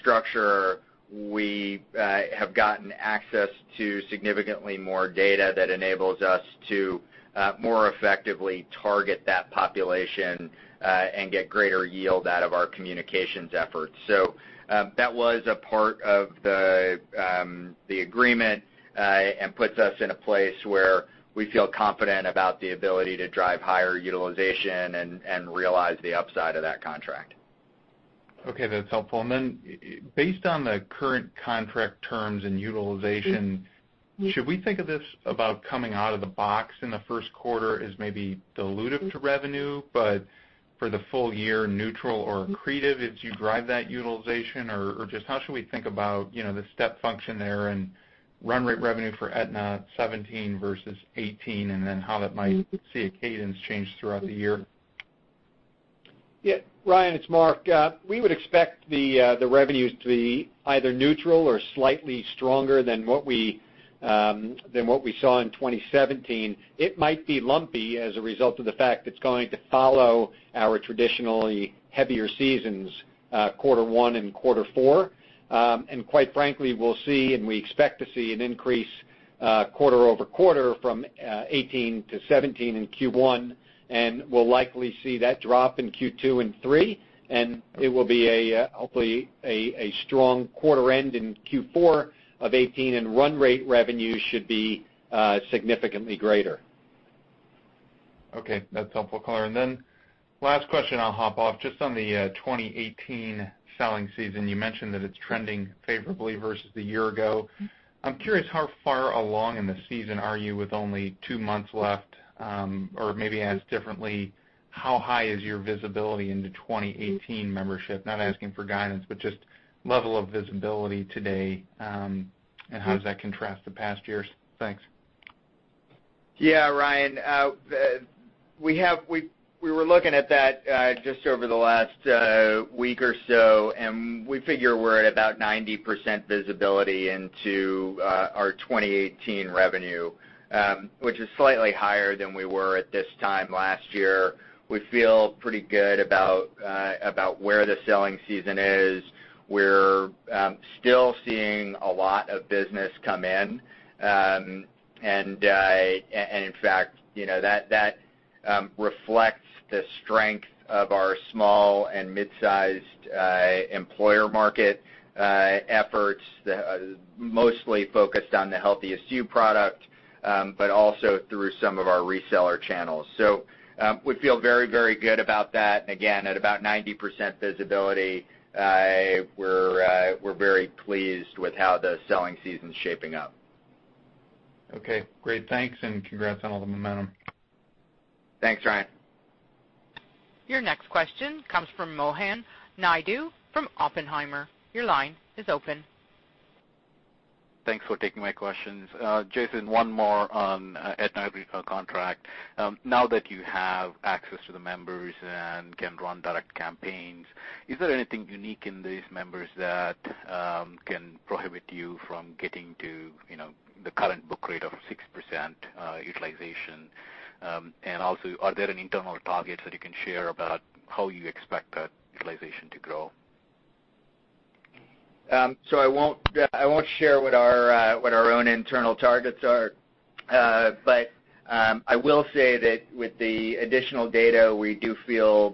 structure, we have gotten access to significantly more data that enables us to more effectively target that population and get greater yield out of our communications efforts. That was a part of the agreement and puts us in a place where we feel confident about the ability to drive higher utilization and realize the upside of that contract. Okay, that's helpful. Based on the current contract terms and utilization, should we think of this about coming out of the box in the first quarter as maybe dilutive to revenue, but for the full year, neutral or accretive as you drive that utilization? Just how should we think about the step function there and run rate revenue for Aetna 2017 versus 2018, and then how that might see a cadence change throughout the year? Yeah. Ryan, it's Mark. We would expect the revenues to be either neutral or slightly stronger than what we saw in 2017. It might be lumpy as a result of the fact it's going to follow our traditionally heavier seasons, quarter one and quarter four. Quite frankly, we'll see, we expect to see an increase quarter-over-quarter from 2018 to 2017 in Q1, and we'll likely see that drop in Q2 and Q3, and it will be hopefully a strong quarter end in Q4 of 2018, run rate revenue should be significantly greater. Okay, that's helpful color. Last question, I'll hop off. Just on the 2018 selling season, you mentioned that it's trending favorably versus the year ago. I'm curious how far along in the season are you with only two months left? Maybe asked differently, how high is your visibility into 2018 membership? Not asking for guidance, but just level of visibility today, and how does that contrast to past years? Thanks. Yeah, Ryan. We were looking at that just over the last week or so, and we figure we're at about 90% visibility into our 2018 revenue, which is slightly higher than we were at this time last year. We feel pretty good about where the selling season is. We're still seeing a lot of business come in. In fact, that reflects the strength of our small and mid-sized employer market efforts, mostly focused on the HealthiestYou product, but also through some of our reseller channels. We feel very good about that. Again, at about 90% visibility, we're very pleased with how the selling season's shaping up. Okay, great. Thanks. Congrats on all the momentum. Thanks, Ryan. Your next question comes from Mohan Naidu from Oppenheimer. Your line is open. Thanks for taking my questions. Jason, one more on Aetna contract. Now that you have access to the members and can run direct campaigns, is there anything unique in these members that can prohibit you from getting to the current book rate of 6% utilization? Also, are there any internal targets that you can share about how you expect that utilization to grow? I won't share what our own internal targets are. I will say that with the additional data, we do feel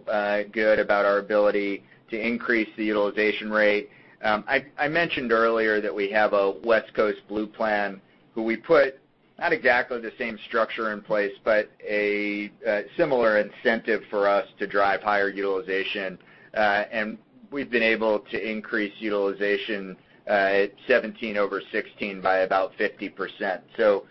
good about our ability to increase the utilization rate. I mentioned earlier that we have a West Coast Blue plan who we put not exactly the same structure in place, but a similar incentive for us to drive higher utilization. We've been able to increase utilization at 2017 over 2016 by about 50%.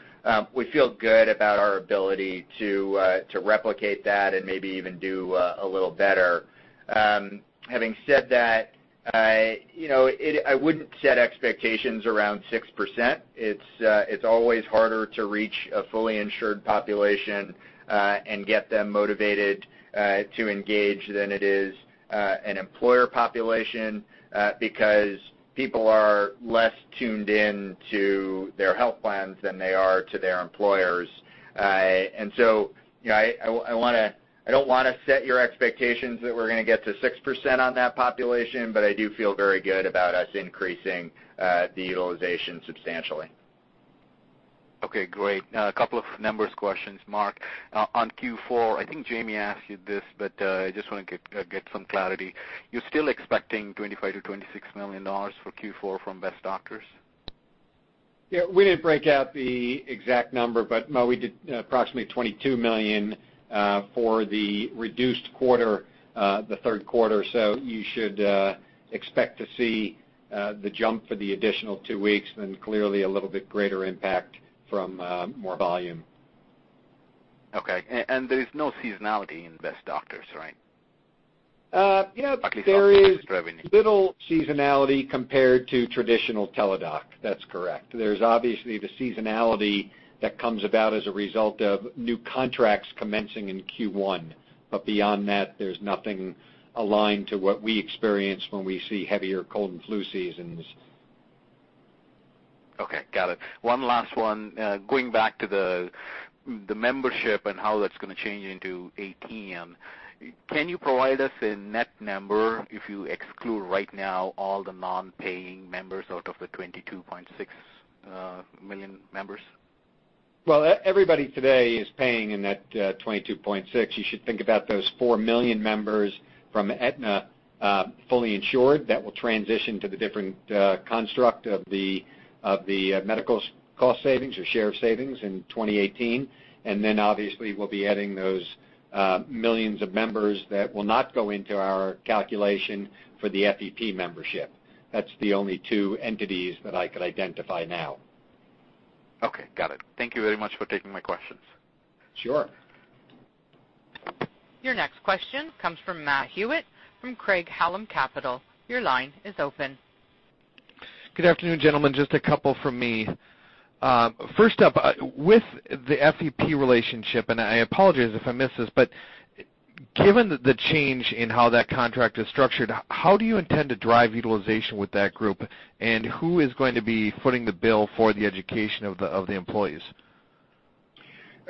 We feel good about our ability to replicate that and maybe even do a little better. Having said that, I wouldn't set expectations around 6%. It's always harder to reach a fully insured population, and get them motivated to engage than it is an employer population, because people are less tuned in to their health plans than they are to their employers. I don't want to set your expectations that we're going to get to 6% on that population, I do feel very good about us increasing the utilization substantially. Okay, great. A couple of numbers questions. Mark, on Q4, I think Jamie asked you this, but I just want to get some clarity. You're still expecting $25 million-$26 million for Q4 from Best Doctors? Yeah, we didn't break out the exact number, but we did approximately $22 million for the reduced quarter, the third quarter. You should expect to see the jump for the additional two weeks, and clearly a little bit greater impact from more volume. Okay, there's no seasonality in Best Doctors, right? Yeah. There is little seasonality compared to traditional Teladoc. That's correct. There's obviously the seasonality that comes about as a result of new contracts commencing in Q1. Beyond that, there's nothing aligned to what we experience when we see heavier cold and flu seasons. Okay, got it. One last one, going back to the membership and how that's going to change into Aetna. Can you provide us a net number if you exclude right now all the non-paying members out of the $22.6 million members? Well, everybody today is paying in that 22.6. You should think about those 4 million members from Aetna, fully insured, that will transition to the different construct of the medical cost savings or share of savings in 2018. Obviously, we'll be adding those millions of members that will not go into our calculation for the FEP membership. That's the only two entities that I could identify now. Okay, got it. Thank you very much for taking my questions. Sure. Your next question comes from Matt Hewitt from Craig-Hallum Capital. Your line is open. Good afternoon, gentlemen. Just a couple from me. First up, with the FEP relationship, and I apologize if I missed this, but given the change in how that contract is structured, how do you intend to drive utilization with that group? Who is going to be footing the bill for the education of the employees?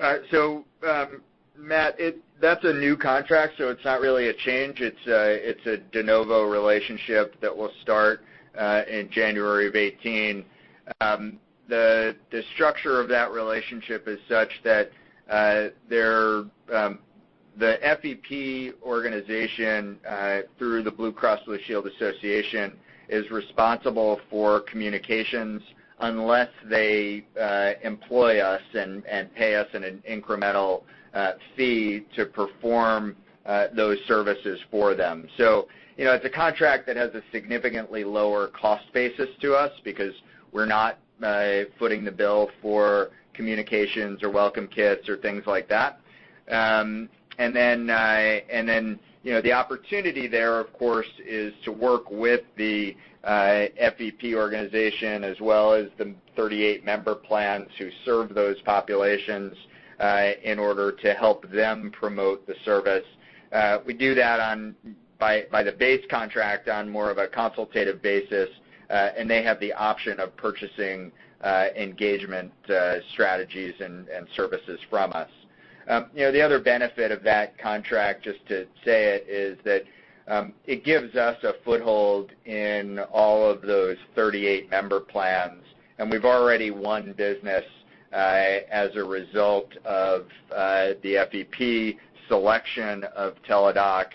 Matt, that's a new contract, so it's not really a change. It's a de novo relationship that will start in January of 2018. The structure of that relationship is such that the FEP organization, through the Blue Cross Blue Shield Association, is responsible for communications unless they employ us and pay us an incremental fee to perform those services for them. It's a contract that has a significantly lower cost basis to us because we're not footing the bill for communications or welcome kits or things like that. The opportunity there, of course, is to work with the FEP organization as well as the 38 member plans who serve those populations in order to help them promote the service. We do that by the base contract on more of a consultative basis, and they have the option of purchasing engagement strategies and services from us. The other benefit of that contract, just to say it, is that it gives us a foothold in all of those 38 member plans, and we've already won business as a result of the FEP selection of Teladoc.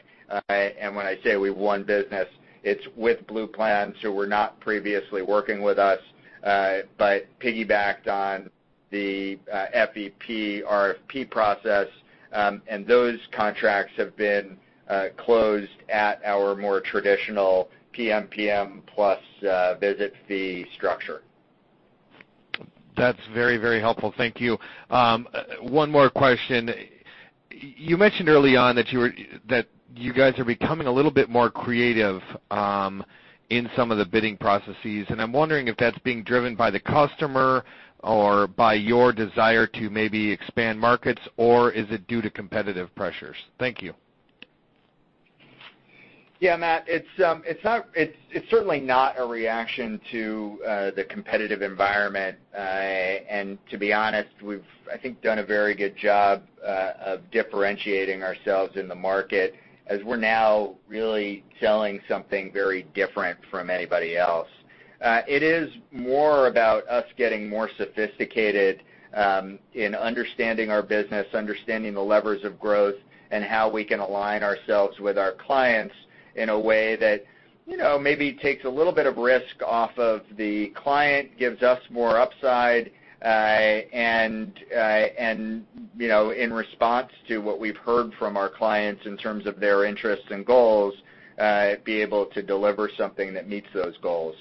When I say we've won business, it's with Blue plans who were not previously working with us, but piggybacked on the FEP RFP process. Those contracts have been closed at our more traditional PMPM plus visit fee structure. That's very helpful. Thank you. One more question. You mentioned early on that you guys are becoming a little bit more creative in some of the bidding processes, and I'm wondering if that's being driven by the customer or by your desire to maybe expand markets, or is it due to competitive pressures? Thank you. Yeah, Matt, it's certainly not a reaction to the competitive environment. To be honest, we've, I think, done a very good job of differentiating ourselves in the market as we're now really selling something very different from anybody else. It is more about us getting more sophisticated in understanding our business, understanding the levers of growth, and how we can align ourselves with our clients in a way that maybe takes a little bit of risk off of the client, gives us more upside, and in response to what we've heard from our clients in terms of their interests and goals, be able to deliver something that meets those goals.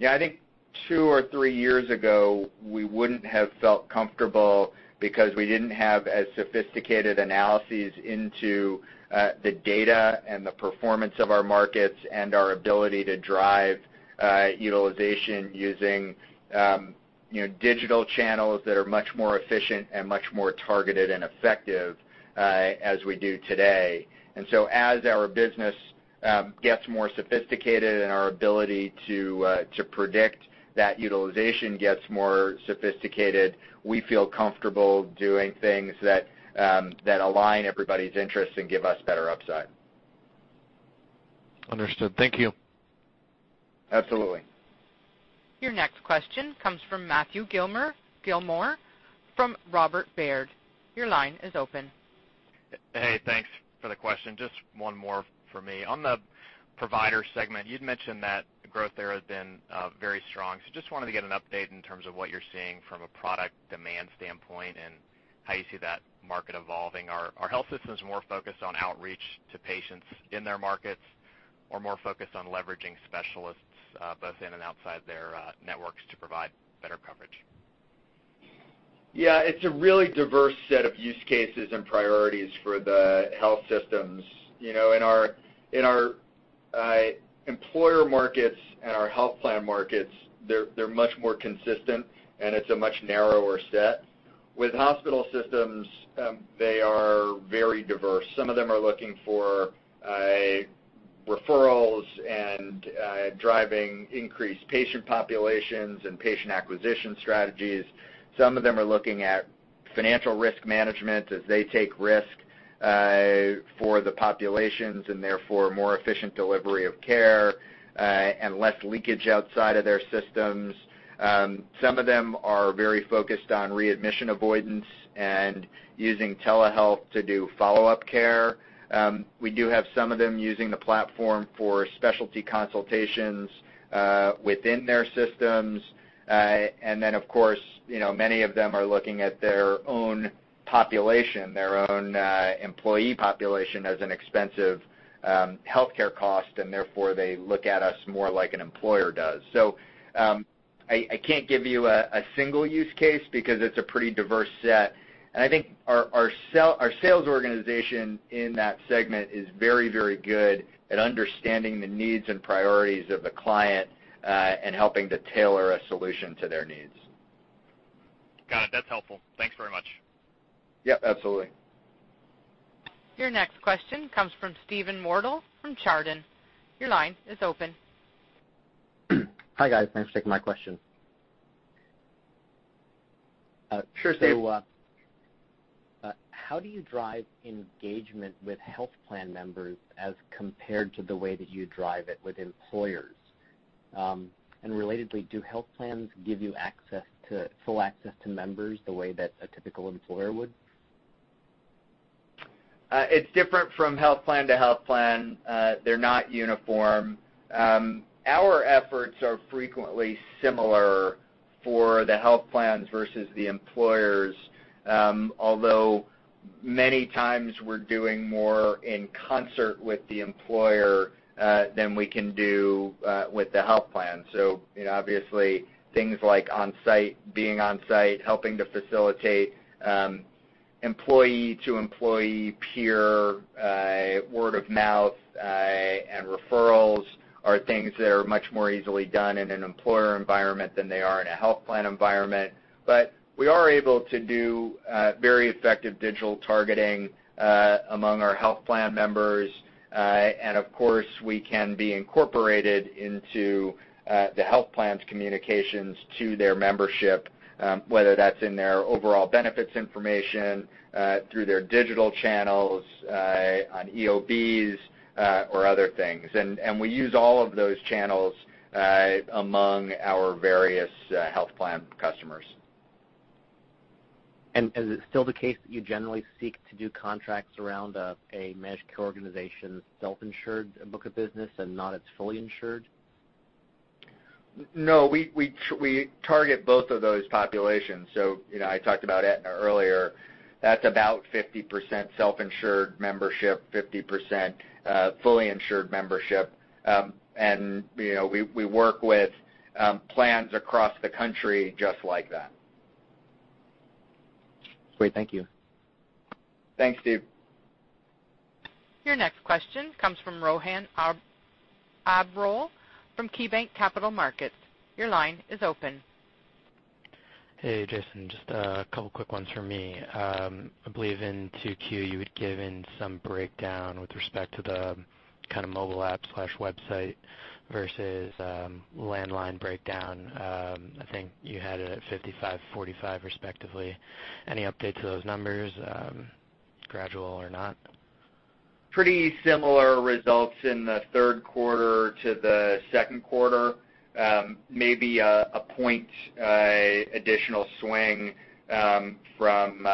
Yeah, I think two or three years ago, we wouldn't have felt comfortable because we didn't have as sophisticated analyses into the data and the performance of our markets and our ability to drive utilization using digital channels that are much more efficient and much more targeted and effective as we do today. As our business gets more sophisticated and our ability to predict that utilization gets more sophisticated, we feel comfortable doing things that align everybody's interests and give us better upside. Understood. Thank you. Absolutely. Your next question comes from Matthew Gillmor from Robert Baird. Your line is open. Hey, thanks for the question. Just one more from me. On the provider segment, you'd mentioned that growth there has been very strong. Just wanted to get an update in terms of what you're seeing from a product demand standpoint and how you see that market evolving. Are health systems more focused on outreach to patients in their markets or more focused on leveraging specialists both in and outside their networks to provide better coverage? Yeah. It's a really diverse set of use cases and priorities for the health systems. In our employer markets and our health plan markets, they're much more consistent, and it's a much narrower set. With hospital systems, they are very diverse. Some of them are looking for referrals and driving increased patient populations and patient acquisition strategies. Some of them are looking at financial risk management as they take risk for the populations, and therefore, more efficient delivery of care and less leakage outside of their systems. Some of them are very focused on readmission avoidance and using telehealth to do follow-up care. We do have some of them using the platform for specialty consultations within their systems. Of course, many of them are looking at their own population, their own employee population, as an expensive healthcare cost, and therefore, they look at us more like an employer does. I can't give you a single use case because it's a pretty diverse set. I think our sales organization in that segment is very good at understanding the needs and priorities of the client and helping to tailor a solution to their needs. Got it. That's helpful. Thanks very much. Yeah, absolutely. Your next question comes from Steven Schoenel from Chardan. Your line is open. Hi, guys. Thanks for taking my question. Sure, Steve. How do you drive engagement with health plan members as compared to the way that you drive it with employers? Relatedly, do health plans give you full access to members the way that a typical employer would? It's different from health plan to health plan. They're not uniform. Our efforts are frequently similar for the health plans versus the employers. Although many times we're doing more in concert with the employer than we can do with the health plan. Obviously things like onsite, being onsite, helping to facilitate employee-to-employee peer word of mouth and referrals are things that are much more easily done in an employer environment than they are in a health plan environment. We are able to do very effective digital targeting among our health plan members. Of course, we can be incorporated into the health plan's communications to their membership, whether that's in their overall benefits information, through their digital channels, on EOBs or other things. We use all of those channels among our various health plan customers. Is it still the case that you generally seek to do contracts around a managed care organization's self-insured book of business and not its fully insured? No, we target both of those populations. I talked about Aetna earlier. That's about 50% self-insured membership, 50% fully insured membership. We work with plans across the country just like that. Great. Thank you. Thanks, Steve. Your next question comes from Rohan Abrol from KeyBanc Capital Markets. Your line is open. Hey, Jason. Just a couple quick ones from me. I believe in 2Q, you had given some breakdown with respect to the kind of mobile app/website versus landline breakdown. I think you had it at 55/45 respectively. Any update to those numbers, gradual or not? Pretty similar results in the third quarter to the second quarter. Maybe a point additional swing from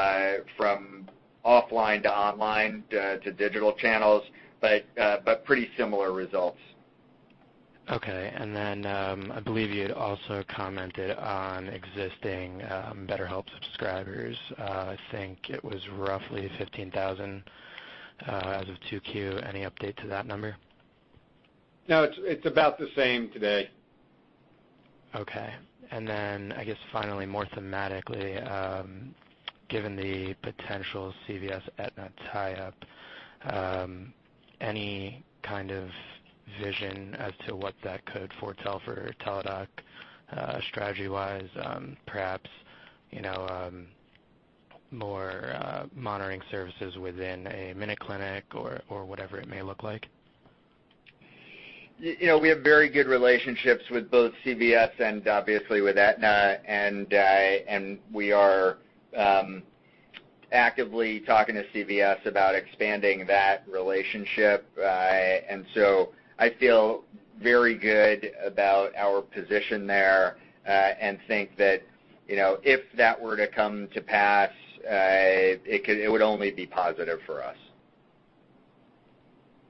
offline to online to digital channels, but pretty similar results. Okay. I believe you had also commented on existing BetterHelp subscribers. I think it was roughly 15,000 as of 2Q. Any update to that number? No, it's about the same today. Okay. I guess finally, more thematically, given the potential CVS-Aetna tie-up, any kind of vision as to what that could foretell for Teladoc strategy-wise? Perhaps more monitoring services within a MinuteClinic or whatever it may look like? We have very good relationships with both CVS and obviously with Aetna, we are actively talking to CVS about expanding that relationship. I feel very good about our position there, and think that if that were to come to pass, it would only be positive for us.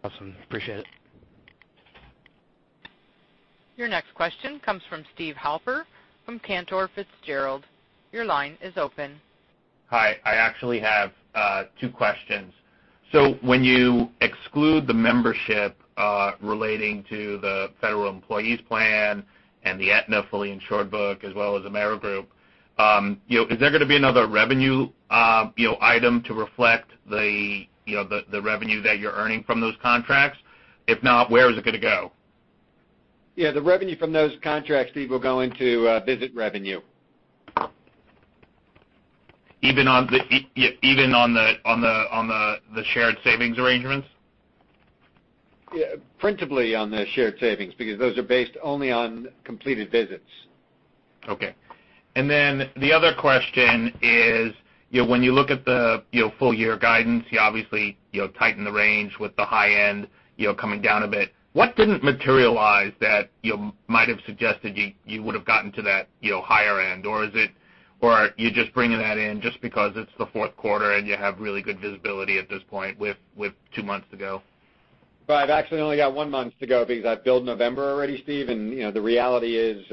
Awesome. Appreciate it. Your next question comes from Steven Halper from Cantor Fitzgerald. Your line is open. Hi. I actually have two questions. When you exclude the membership relating to the federal employees plan and the Aetna fully insured book, as well as Amerigroup, is there going to be another revenue item to reflect the revenue that you're earning from those contracts? If not, where is it going to go? Yeah. The revenue from those contracts, Steven, will go into visit revenue. Even on the shared savings arrangements? Yeah. Principally on the shared savings, because those are based only on completed visits. Okay. The other question is, when you look at the full year guidance, you obviously tighten the range with the high end coming down a bit. What didn't materialize that you might have suggested you would've gotten to that higher end? Are you just bringing that in just because it's the fourth quarter and you have really good visibility at this point with two months to go? Well, I've actually only got one month to go because I've billed November already, Steven, the reality is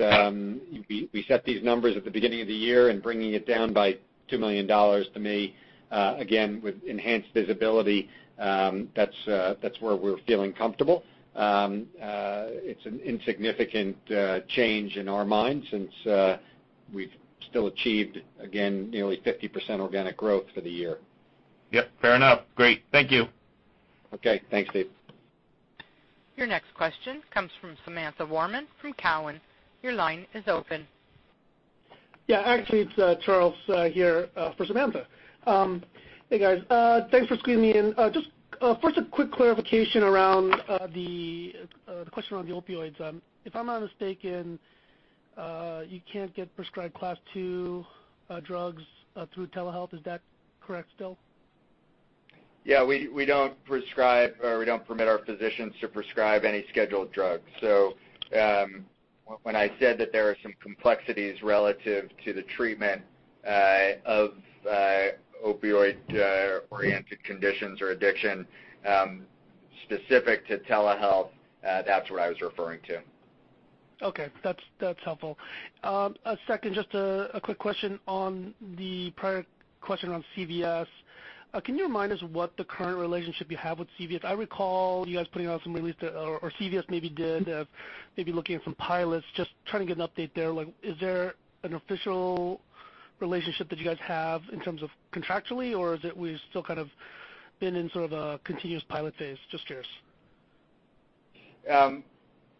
we set these numbers at the beginning of the year and bringing it down by $2 million to me, again, with enhanced visibility, that's where we're feeling comfortable. It's an insignificant change in our minds since we've still achieved, again, nearly 50% organic growth for the year. Yep, fair enough. Great. Thank you. Okay. Thanks, Steven. Your next question comes from Samantha Warman from Cowen. Your line is open. Actually, it's Charles here for Samantha. Hey, guys. Thanks for squeezing me in. First, a quick clarification around the question around the opioids. If I'm not mistaken, you can't get prescribed Class 2 drugs through telehealth. Is that correct still? We don't permit our physicians to prescribe any scheduled drugs. When I said that there are some complexities relative to the treatment of opioid-oriented conditions or addiction specific to telehealth, that's what I was referring to. Okay. That's helpful. Second, a quick question on the prior question on CVS. Can you remind us what the current relationship you have with CVS is? I recall you guys putting out some release, or CVS maybe did, of maybe looking at some pilots. Trying to get an update there, like is there an official relationship that you guys have in terms of contractually, or has it still kind of been in sort of a continuous pilot phase? Curious.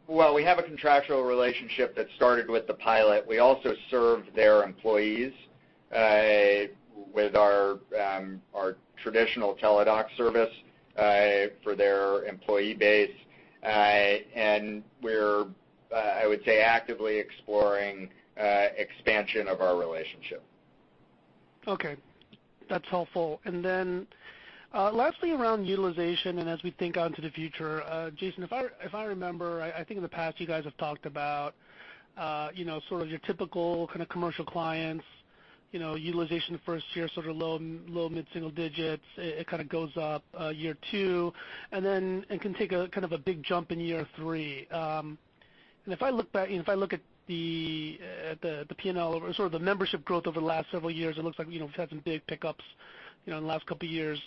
We have a contractual relationship that started with the pilot. We also served their employees with our traditional Teladoc service for their employee base. We're, I would say, actively exploring expansion of our relationship. Okay. That's helpful. Lastly, around utilization and as we think out into the future, Jason, if I remember, I think in the past you guys have talked about sort of your typical kind of commercial clients, utilization the first year, sort of low-mid single digits. It kind of goes up year two, and can take a kind of a big jump in year three. If I look at the P&L, or sort of the membership growth over the last several years, it looks like we've had some big pickups in the last couple of years.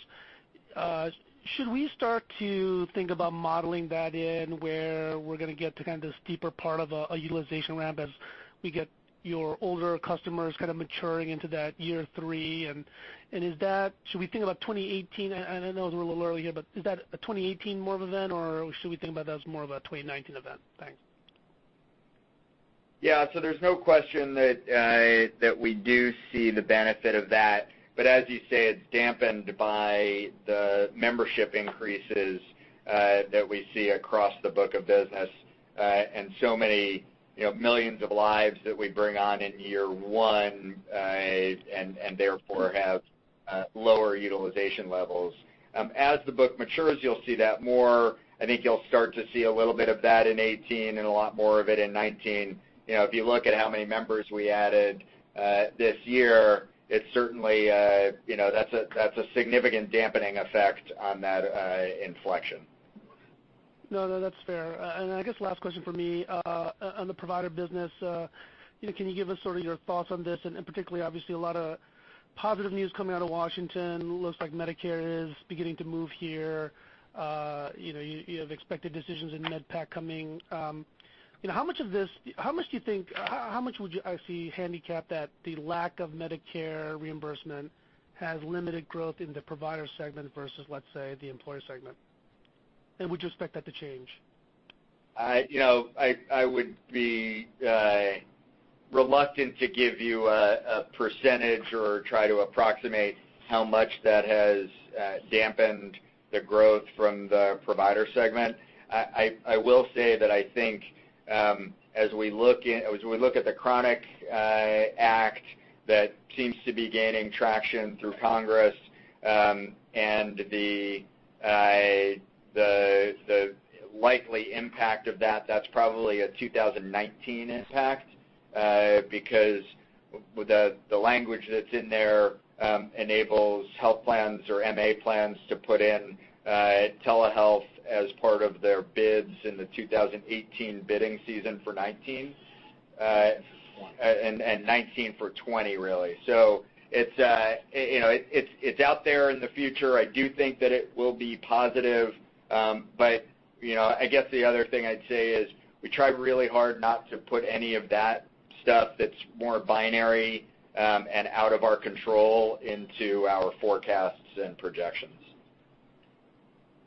Should we start to think about modeling that in where we're going to get to kind of this deeper part of a utilization ramp as we get your older customers kind of maturing into that year three? Should we think about 2018? I know it's a little early here, is that a 2018 more of event, or should we think about that as more of a 2019 event? Thanks. Yeah. There's no question that we do see the benefit of that. As you say, it's dampened by the membership increases that we see across the book of business. Many millions of lives that we bring on in year one, and therefore have lower utilization levels. As the book matures, you'll see that more. I think you'll start to see a little bit of that in 2018 and a lot more of it in 2019. You look at how many members we added this year, that's a significant dampening effect on that inflection. No, that's fair. I guess last question from me, on the provider business, can you give us sort of your thoughts on this? Particularly, obviously, a lot of positive news coming out of Washington. Looks like Medicare is beginning to move here. You have expected decisions in MedPAC coming. How much would you handicap that the lack of Medicare reimbursement has limited growth in the provider segment versus, let's say, the employer segment? Would you expect that to change? I would be reluctant to give you a percentage or try to approximate how much that has dampened the growth from the provider segment. I will say that I think as we look at CHRONIC Care Act, that seems to be gaining traction through Congress, and the likely impact of that's probably a 2019 impact. Because the language that's in there enables health plans or MA plans to put in telehealth as part of their bids in the 2018 bidding season for 2019, and 2019 for 2020, really. It's out there in the future. I do think that it will be positive. I guess the other thing I'd say is we tried really hard not to put any of that stuff that's more binary and out of our control into our forecasts and projections.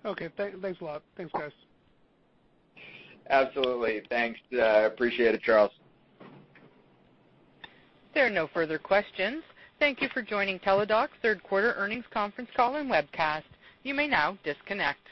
Okay. Thanks a lot. Thanks, guys. Absolutely. Thanks. Appreciate it, Charles. There are no further questions. Thank you for joining Teladoc's third quarter earnings conference call and webcast. You may now disconnect.